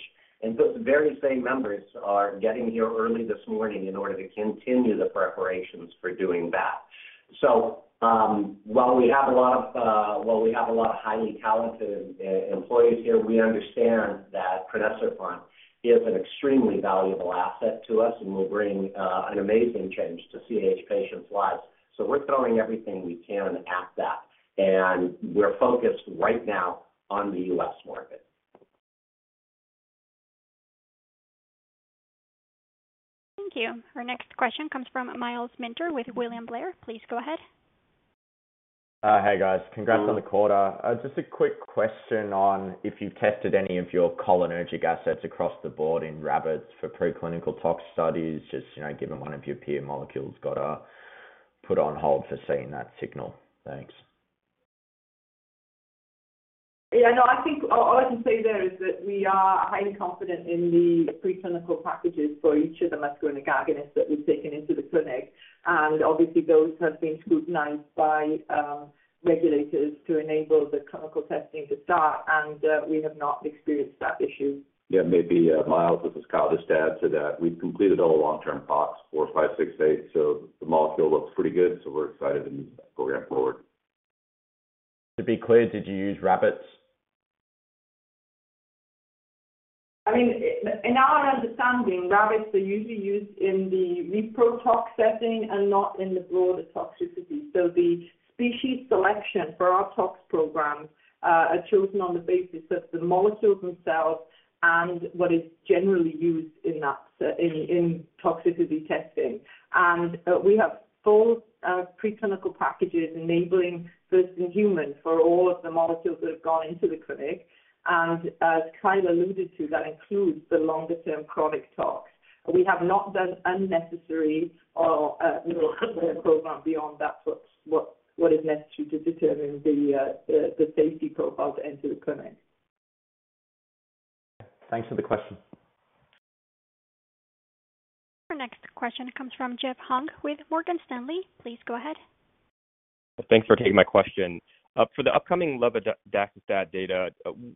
C: So the very same members are getting here early this morning in order to continue the preparations for doing that. While we have a lot of highly talented employees here, we understand that crinecerfont is an extremely valuable asset to us and will bring an amazing change to CAH patients' lives. So we're throwing everything we can at that, and we're focused right now on the U.S. market.
A: Thank you. Our next question comes from Myles Minter with William Blair. Please go ahead.
M: Hey, guys. Congrats on the quarter. Just a quick question on if you've tested any of your cholinergic assets across the board in rabbits for preclinical tox studies, just, you know, given one of your peer molecules got put on hold for seeing that signal. Thanks.
F: Yeah, no, I think all, all I can say there is that we are highly confident in the preclinical packages for each of the muscarinic agonists that we've taken into the clinic, and obviously those have been scrutinized by regulators to enable the clinical testing to start, and we have not experienced that issue.
N: Yeah, maybe, Miles, this is Kyle, just to add to that. We've completed all the long-term tox for 568, so the molecule looks pretty good, so we're excited to move that program forward.
M: To be clear, did you use rabbits?
F: I mean, in our understanding, rabbits are usually used in the repro tox setting and not in the broader toxicity. So the species selection for our tox programs are chosen on the basis of the molecules themselves and what is generally used in that, in toxicity testing. And we have full preclinical packages enabling this in human for all of the molecules that have gone into the clinic. And as Kyle alluded to, that includes the longer-term chronic tox. We have not done unnecessary or program beyond that's what's what is necessary to determine the the safety profile to enter the clinic.
C: Thanks for the question.
A: Our next question comes from Jeff Hung with Morgan Stanley. Please go ahead.
O: Thanks for taking my question. For the upcoming luvadaxistat data,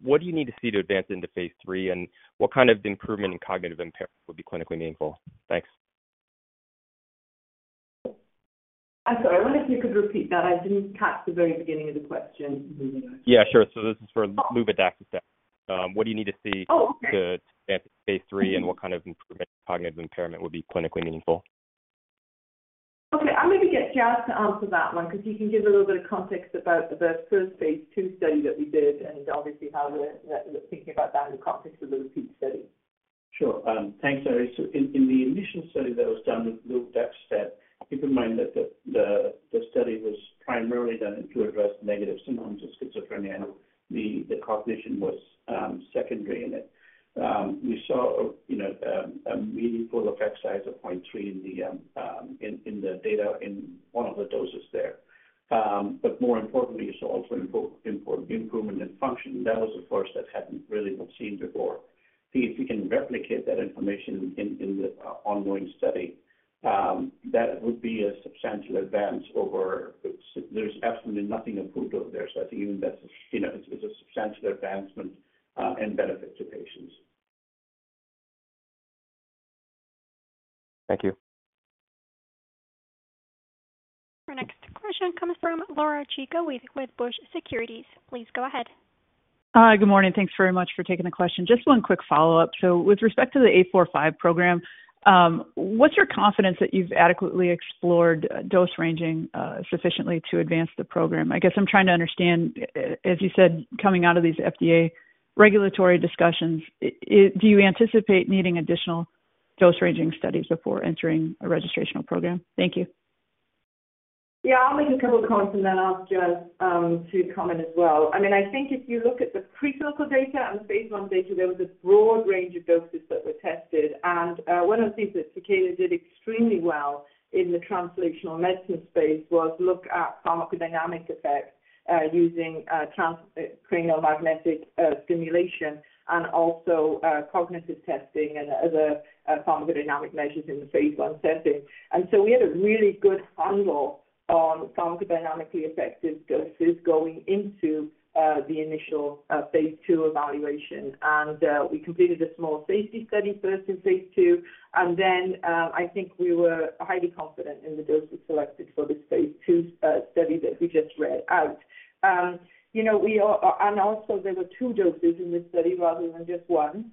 O: what do you need to see to advance into phase 3, and what kind of improvement in cognitive impairment would be clinically meaningful? Thanks.
F: I'm sorry. I wonder if you could repeat that. I didn't catch the very beginning of the question.
O: Yeah, sure. So this is for luvadaxistat. What do you need to see-
F: Oh, okay.
O: -to advance to phase 3, and what kind of improvement in cognitive impairment would be clinically meaningful?
F: Okay, I'm going to get Jaz to answer that one, because he can give a little bit of context about the first phase 2 study that we did, and obviously how we're thinking about that in the context of the repeat study.
H: Sure. Thanks, Eiry. So in the initial study that was done with luvadaxistat, keep in mind that the study was primarily done to address negative symptoms of schizophrenia. The cognition was secondary in it. We saw, you know, a meaningful effect size of 0.3 in the data in one of the doses there. But more importantly, you saw also improvement in function. That was, of course, that hadn't really been seen before. If we can replicate that information in the ongoing study, that would be a substantial advance over... There's absolutely nothing improved over there, so I think even that's, you know, it's a substantial advancement and benefit to patients.
O: Thank you.
A: Our next question comes from Laura Chico with Wedbush Securities. Please go ahead.
P: Hi, good morning. Thanks very much for taking the question. Just one quick follow-up. So with respect to the 845 program, what's your confidence that you've adequately explored dose ranging sufficiently to advance the program? I guess I'm trying to understand, as you said, coming out of these FDA regulatory discussions, do you anticipate needing additional dose ranging studies before entering a registrational program? Thank you.
F: Yeah, I'll make a couple of comments and then ask Jaz to comment as well. I mean, I think if you look at the preclinical data and the phase 1 data, there was a broad range of doses that were tested. And one of the things that Takeda did extremely well in the translational medicine space was look at pharmacodynamic effects using transcranial magnetic stimulation and also cognitive testing and other pharmacodynamic measures in the phase 1 setting. And so we had a really good handle on pharmacodynamically effective doses going into the initial phase 2 evaluation. And we completed a small safety study first in phase 2, and then I think we were highly confident in the doses selected for this phase 2 study that we just read out. You know, and also there were 2 doses in this study rather than just 1,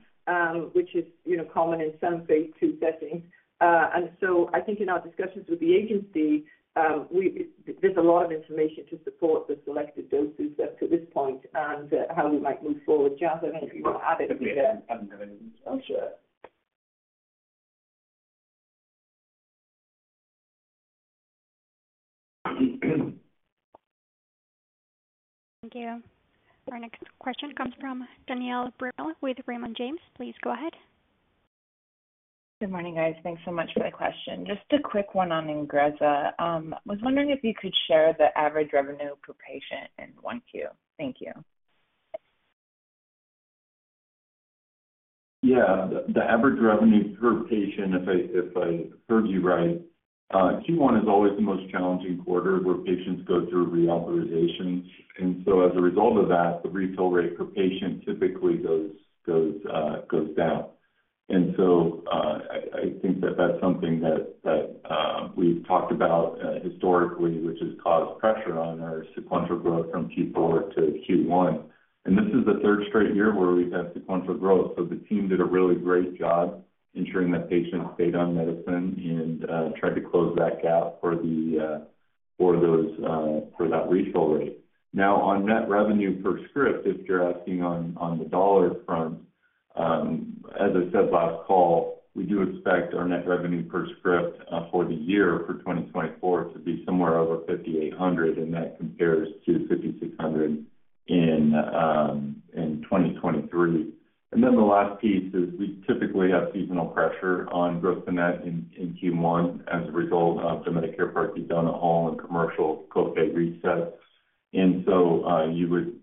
F: which is, you know, common in some phase 2 settings. And so I think in our discussions with the agency, there's a lot of information to support the selected doses up to this point and, how we might move forward. Jaz, I don't know if you want to add anything there.
D: I don't have anything to add.
F: I'm sure.
A: Thank you. Our next question comes from Danielle Brill with Raymond James. Please go ahead.
Q: Good morning, guys. Thanks so much for the question. Just a quick one on INGREZZA. Was wondering if you could share the average revenue per patient in 1Q. Thank you.
D: Yeah. The average revenue per patient, if I heard you right, Q1 is always the most challenging quarter where patients go through reauthorization. And so as a result of that, the refill rate per patient typically goes down. And so, I think that that's something that we've talked about historically, which has caused pressure on our sequential growth from Q4 to Q1. And this is the third straight year where we've had sequential growth, so the team did a really great job ensuring that patients stayed on medicine and tried to close that gap for that refill rate. Now, on net revenue per script, if you're asking on the dollar front, as I said last call, we do expect our net revenue per script for the year for 2024 to be somewhere over $5,800, and that compares to $5,600 in 2023. And then the last piece is we typically have seasonal pressure on gross-to-net in Q1 as a result of the Medicare Part D donut hole and commercial copay reset. And so,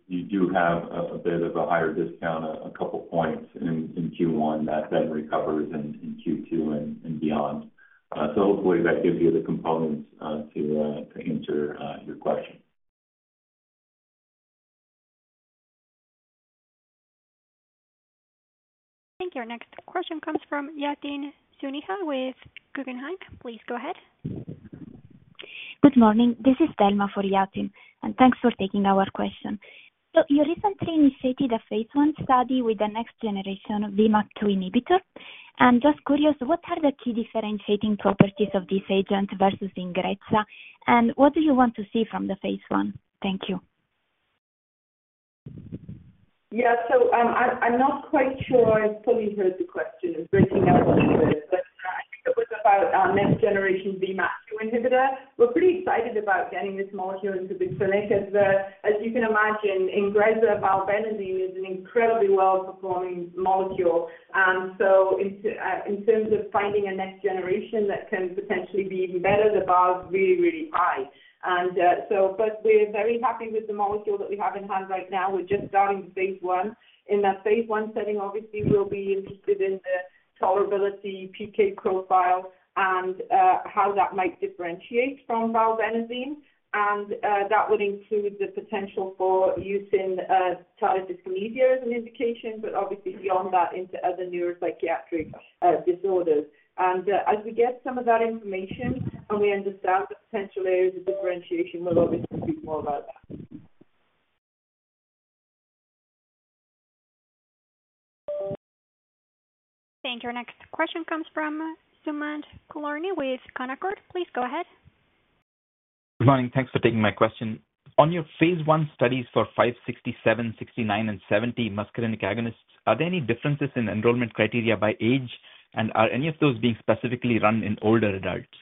D: you do have a bit of a higher discount, a couple points in Q1 that then recovers in Q2 and beyond. So hopefully that gives you the components to answer your question.
A: Thank you. Our next question comes from Yatin Suneja with Guggenheim. Please go ahead.
R: Good morning, this is Thelma for Yatin, and thanks for taking our question. So you recently initiated a phase 1 study with the next generation VMAT2 inhibitor. I'm just curious, what are the key differentiating properties of this agent versus Ingrezza? And what do you want to see from the phase 1? Thank you.
F: Yeah. So, I'm not quite sure I fully heard the question and breaking up, but I think it was about our next generation VMAT2 inhibitor. We're pretty excited about getting this molecule into the clinic, as you can imagine, INGREZZA valbenazine is an incredibly well-performing molecule. And so in terms of finding a next generation that can potentially be even better, the bar is really, really high. And so but we're very happy with the molecule that we have in hand right now. We're just starting phase 1. In that phase 1 setting, obviously, we'll be interested in the tolerability, PK profile and how that might differentiate from valbenazine. And that would include the potential for use in childhood dyskinesia as an indication, but obviously beyond that into other neuropsychiatric disorders. As we get some of that information and we understand the potential areas of differentiation, we'll obviously speak more about that.
A: Thank you. Our next question comes from Sumant Kulkarni with Canaccord. Please go ahead.
S: Good morning. Thanks for taking my question. On your phase 1 studies for NBI-567, NBI-569 and NBI-570 muscarinic agonists, are there any differences in enrollment criteria by age, and are any of those being specifically run in older adults?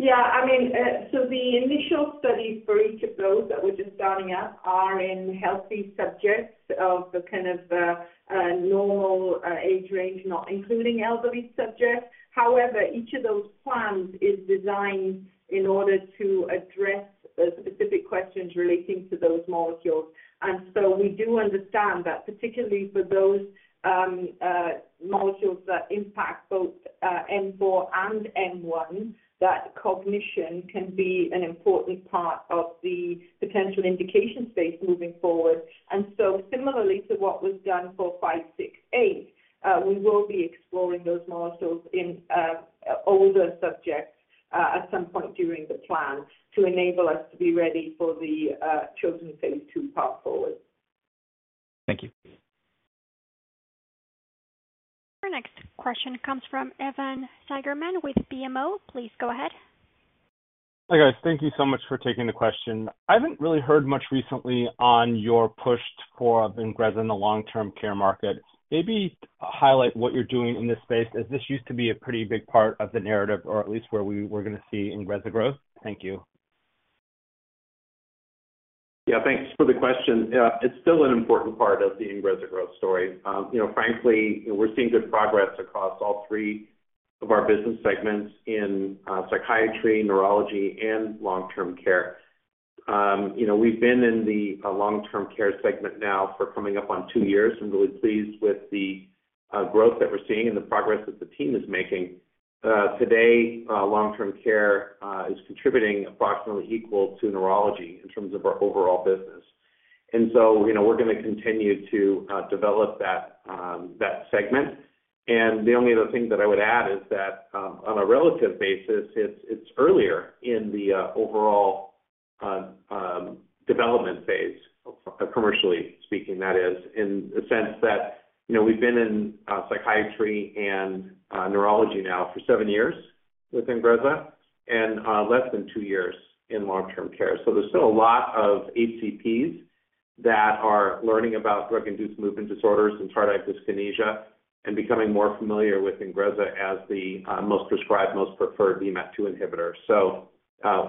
F: Yeah, I mean, so the initial studies for each of those that we're just starting up are in healthy subjects of the kind of, normal, age range, not including elderly subjects. However, each of those plans is designed in order to address the specific questions relating to those molecules. And so we do understand that, particularly for those, molecules that impact both, M4 and M1, that cognition can be an important part of the potential indication space moving forward. And so similarly to what was done for NBI-568, we will be exploring those molecules in, older subjects at some point during the plan to enable us to be ready for the, chosen phase 2 path forward.
S: Thank you.
A: Our next question comes from Evan Seigerman with BMO. Please go ahead.
T: Hi, guys. Thank you so much for taking the question. I haven't really heard much recently on your push for INGREZZA in the long-term care market. Maybe highlight what you're doing in this space, as this used to be a pretty big part of the narrative, or at least where we were going to see INGREZZA growth. Thank you.
E: Yeah, thanks for the question. It's still an important part of the INGREZZA growth story. You know, frankly, we're seeing good progress across all three of our business segments in psychiatry, neurology, and long-term care. You know, we've been in the long-term care segment now for coming up on two years and really pleased with the growth that we're seeing and the progress that the team is making. Today, long-term care is contributing approximately equal to neurology in terms of our overall business. And so, you know, we're gonna continue to develop that segment. The only other thing that I would add is that, on a relative basis, it's earlier in the overall development phase, commercially speaking, that is, in the sense that, you know, we've been in psychiatry and neurology now for seven years with INGREZZA and less than two years in long-term care. So there's still a lot of HCPs that are learning about drug-induced movement disorders and tardive dyskinesia and becoming more familiar with INGREZZA as the most prescribed, most preferred VMAT2 inhibitor. So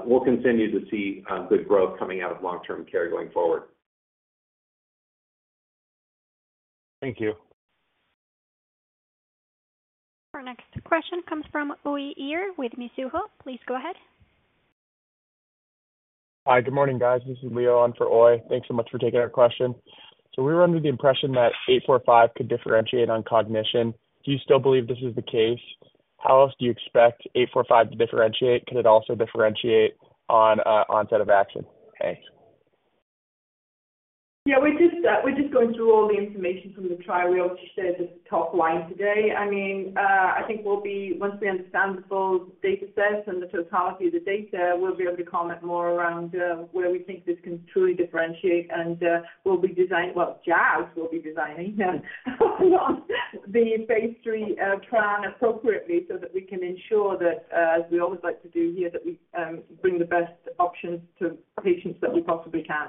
E: we'll continue to see good growth coming out of long-term care going forward.
T: Thank you.
A: Our next question comes from Uy Ear with Mizuho. Please go ahead.
U: Hi, good morning, guys. This is Leo on for Uy. Thanks so much for taking our question. So we were under the impression that 845 could differentiate on cognition. Do you still believe this is the case? How else do you expect 845 to differentiate? Could it also differentiate on onset of action? Thanks.
F: Yeah, we're just going through all the information from the trial. We obviously shared the top line today. I mean, I think we'll be, once we understand the full data set and the totality of the data, able to comment more around where we think this can truly differentiate. And we'll be designing. Well, Jaz will be designing the phase 3 plan appropriately so that we can ensure that, as we always like to do here, that we bring the best options to patients that we possibly can.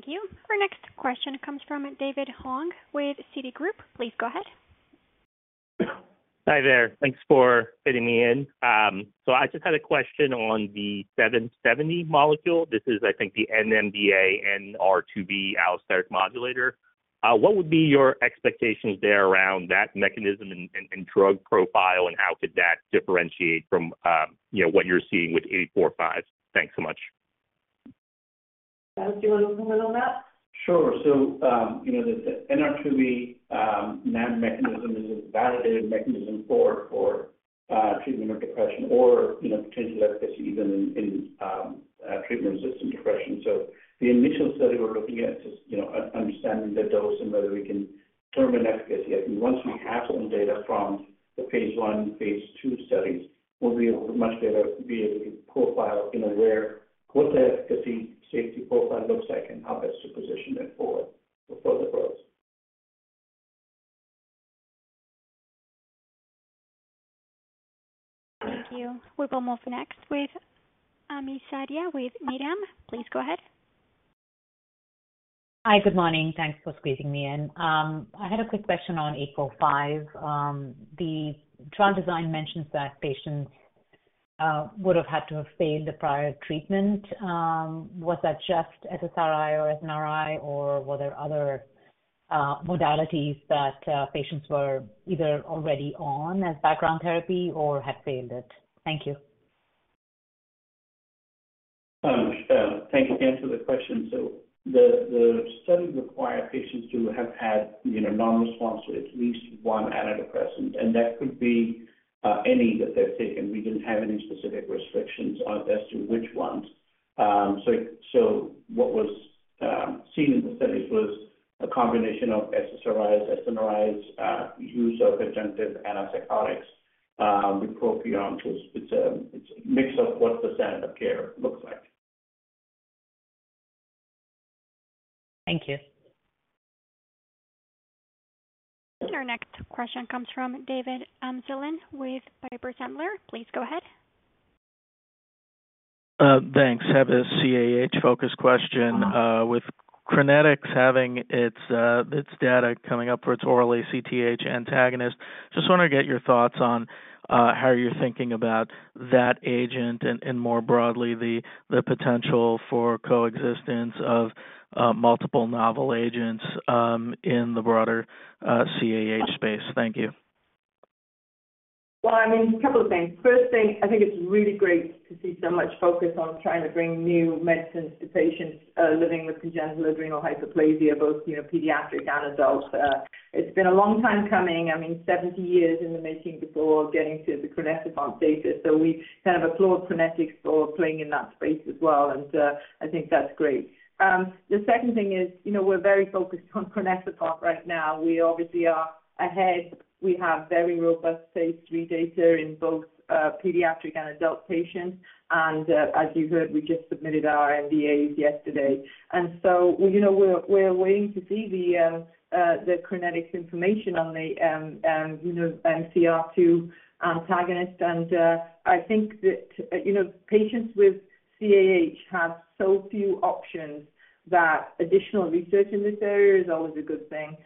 A: Thank you. Our next question comes from David Hoang with Citigroup. Please go ahead.
V: Hi there. Thanks for fitting me in. So I just had a question on the 770 molecule. This is, I think, the NMDA NR2B allosteric modulator. What would be your expectations there around that mechanism and, and, drug profile, and how could that differentiate from, you know, what you're seeing with 845? Thanks so much.
F: Do you want to comment on that?
E: Sure. So, you know, the NR2B NAM mechanism is a validated mechanism for treatment of depression or, you know, potential efficacy even in treatment-resistant depression. So the initial study we're looking at is, you know, understanding the dose and whether we can determine efficacy. I think once we have some data from the phase 1, phase 2 studies, we'll be able to much better profile, you know, where, what the efficacy safety profile looks like and how best to position it forward for further growth.
A: Thank you. We're almost next with Ami Fadia with Needham. Please go ahead.
W: Hi, good morning. Thanks for squeezing me in. I had a quick question on 845. The trial design mentions that patients would have had to have failed the prior treatment. Was that just SSRI or SNRI, or were there other modalities that patients were either already on as background therapy or had failed it? Thank you.
E: Thank you. Answer the question. So the study required patients to have had, you know, non-response to at least one antidepressant, and that could be any that they've taken. We didn't have any specific restrictions on as to which ones. So what was seen in the studies was a combination of SSRIs, SNRIs, use of adjunctive antipsychotics, with bupropion, which it's a, it's a mix of what the standard of care looks like. Thank you.
A: Our next question comes from David Amsellem with Piper Sandler. Please go ahead.
X: Thanks. I have a CAH-focused question. With Crinetics having its, its data coming up for its oral CRH antagonist, just want to get your thoughts on, how you're thinking about that agent and, and more broadly, the, the potential for coexistence of, multiple novel agents, in the broader, CAH space. Thank you.
F: Well, I mean, a couple of things. First thing, I think it's really great to see so much focus on trying to bring new medicines to patients, living with congenital adrenal hyperplasia, both, you know, pediatric and adult. It's been a long time coming, I mean, 70 years in the making before getting to the crinecerfont status. So we kind of applaud Crinetics for playing in that space as well, and, I think that's great. The second thing is, you know, we're very focused on crinecerfont right now. We obviously are ahead. We have very robust phase 3 data in both, pediatric and adult patients. And, as you heard, we just submitted our NDAs yesterday. And so, you know, we're, we're waiting to see the, the Crinetics information on the, you know, NR2B antagonist. I think that, you know, patients with CAH have so few options that additional research in this area is always a good thing.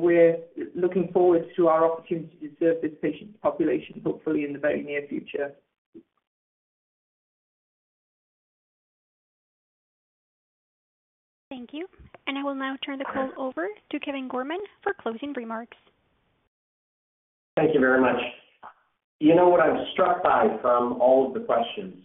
F: We're looking forward to our opportunity to serve this patient population, hopefully in the very near future.
A: Thank you. I will now turn the call over to Kevin Gorman for closing remarks.
C: Thank you very much. You know, what I'm struck by from all of the questions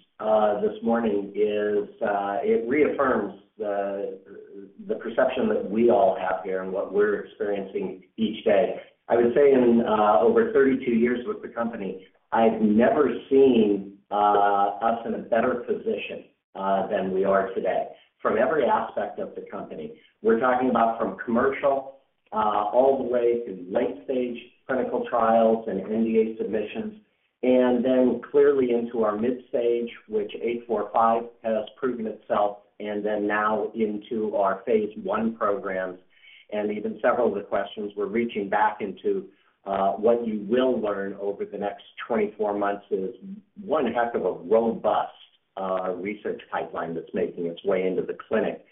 C: this morning is it reaffirms the perception that we all have here and what we're experiencing each day. I would say in over 32 years with the company, I've never seen us in a better position than we are today, from every aspect of the company. We're talking about from commercial all the way to late stage clinical trials and NDA submissions, and then clearly into our mid stage, which 845 has proven itself, and then now into our phase 1 programs. And even several of the questions we're reaching back into what you will learn over the next 24 months is one heck of a robust research pipeline that's making its way into the clinic.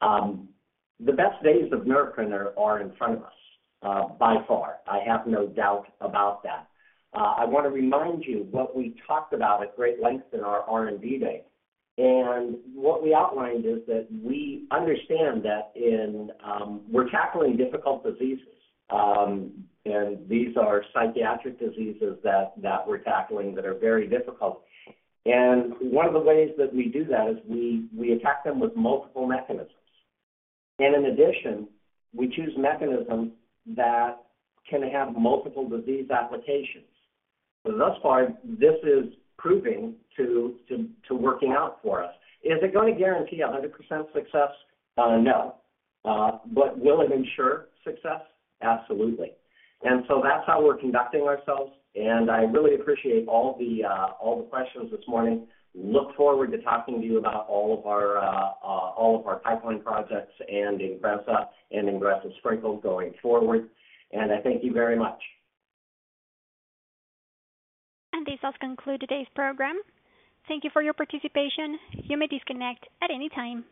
C: The best days of Neurocrine are in front of us by far. I have no doubt about that. I wanna remind you what we talked about at great length in our R&D day. And what we outlined is that we understand that we're tackling difficult diseases, and these are psychiatric diseases that we're tackling that are very difficult. And one of the ways that we do that is we attack them with multiple mechanisms. And in addition, we choose mechanisms that can have multiple disease applications. Thus far, this is proving to working out for us. Is it gonna guarantee 100% success? No. But will it ensure success? Absolutely. And so that's how we're conducting ourselves, and I really appreciate all the questions this morning. Look forward to talking to you about all of our pipeline projects and INGREZZA and INGREZZA SPRINKLE going forward, and I thank you very much.
A: This does conclude today's program. Thank you for your participation. You may disconnect at any time.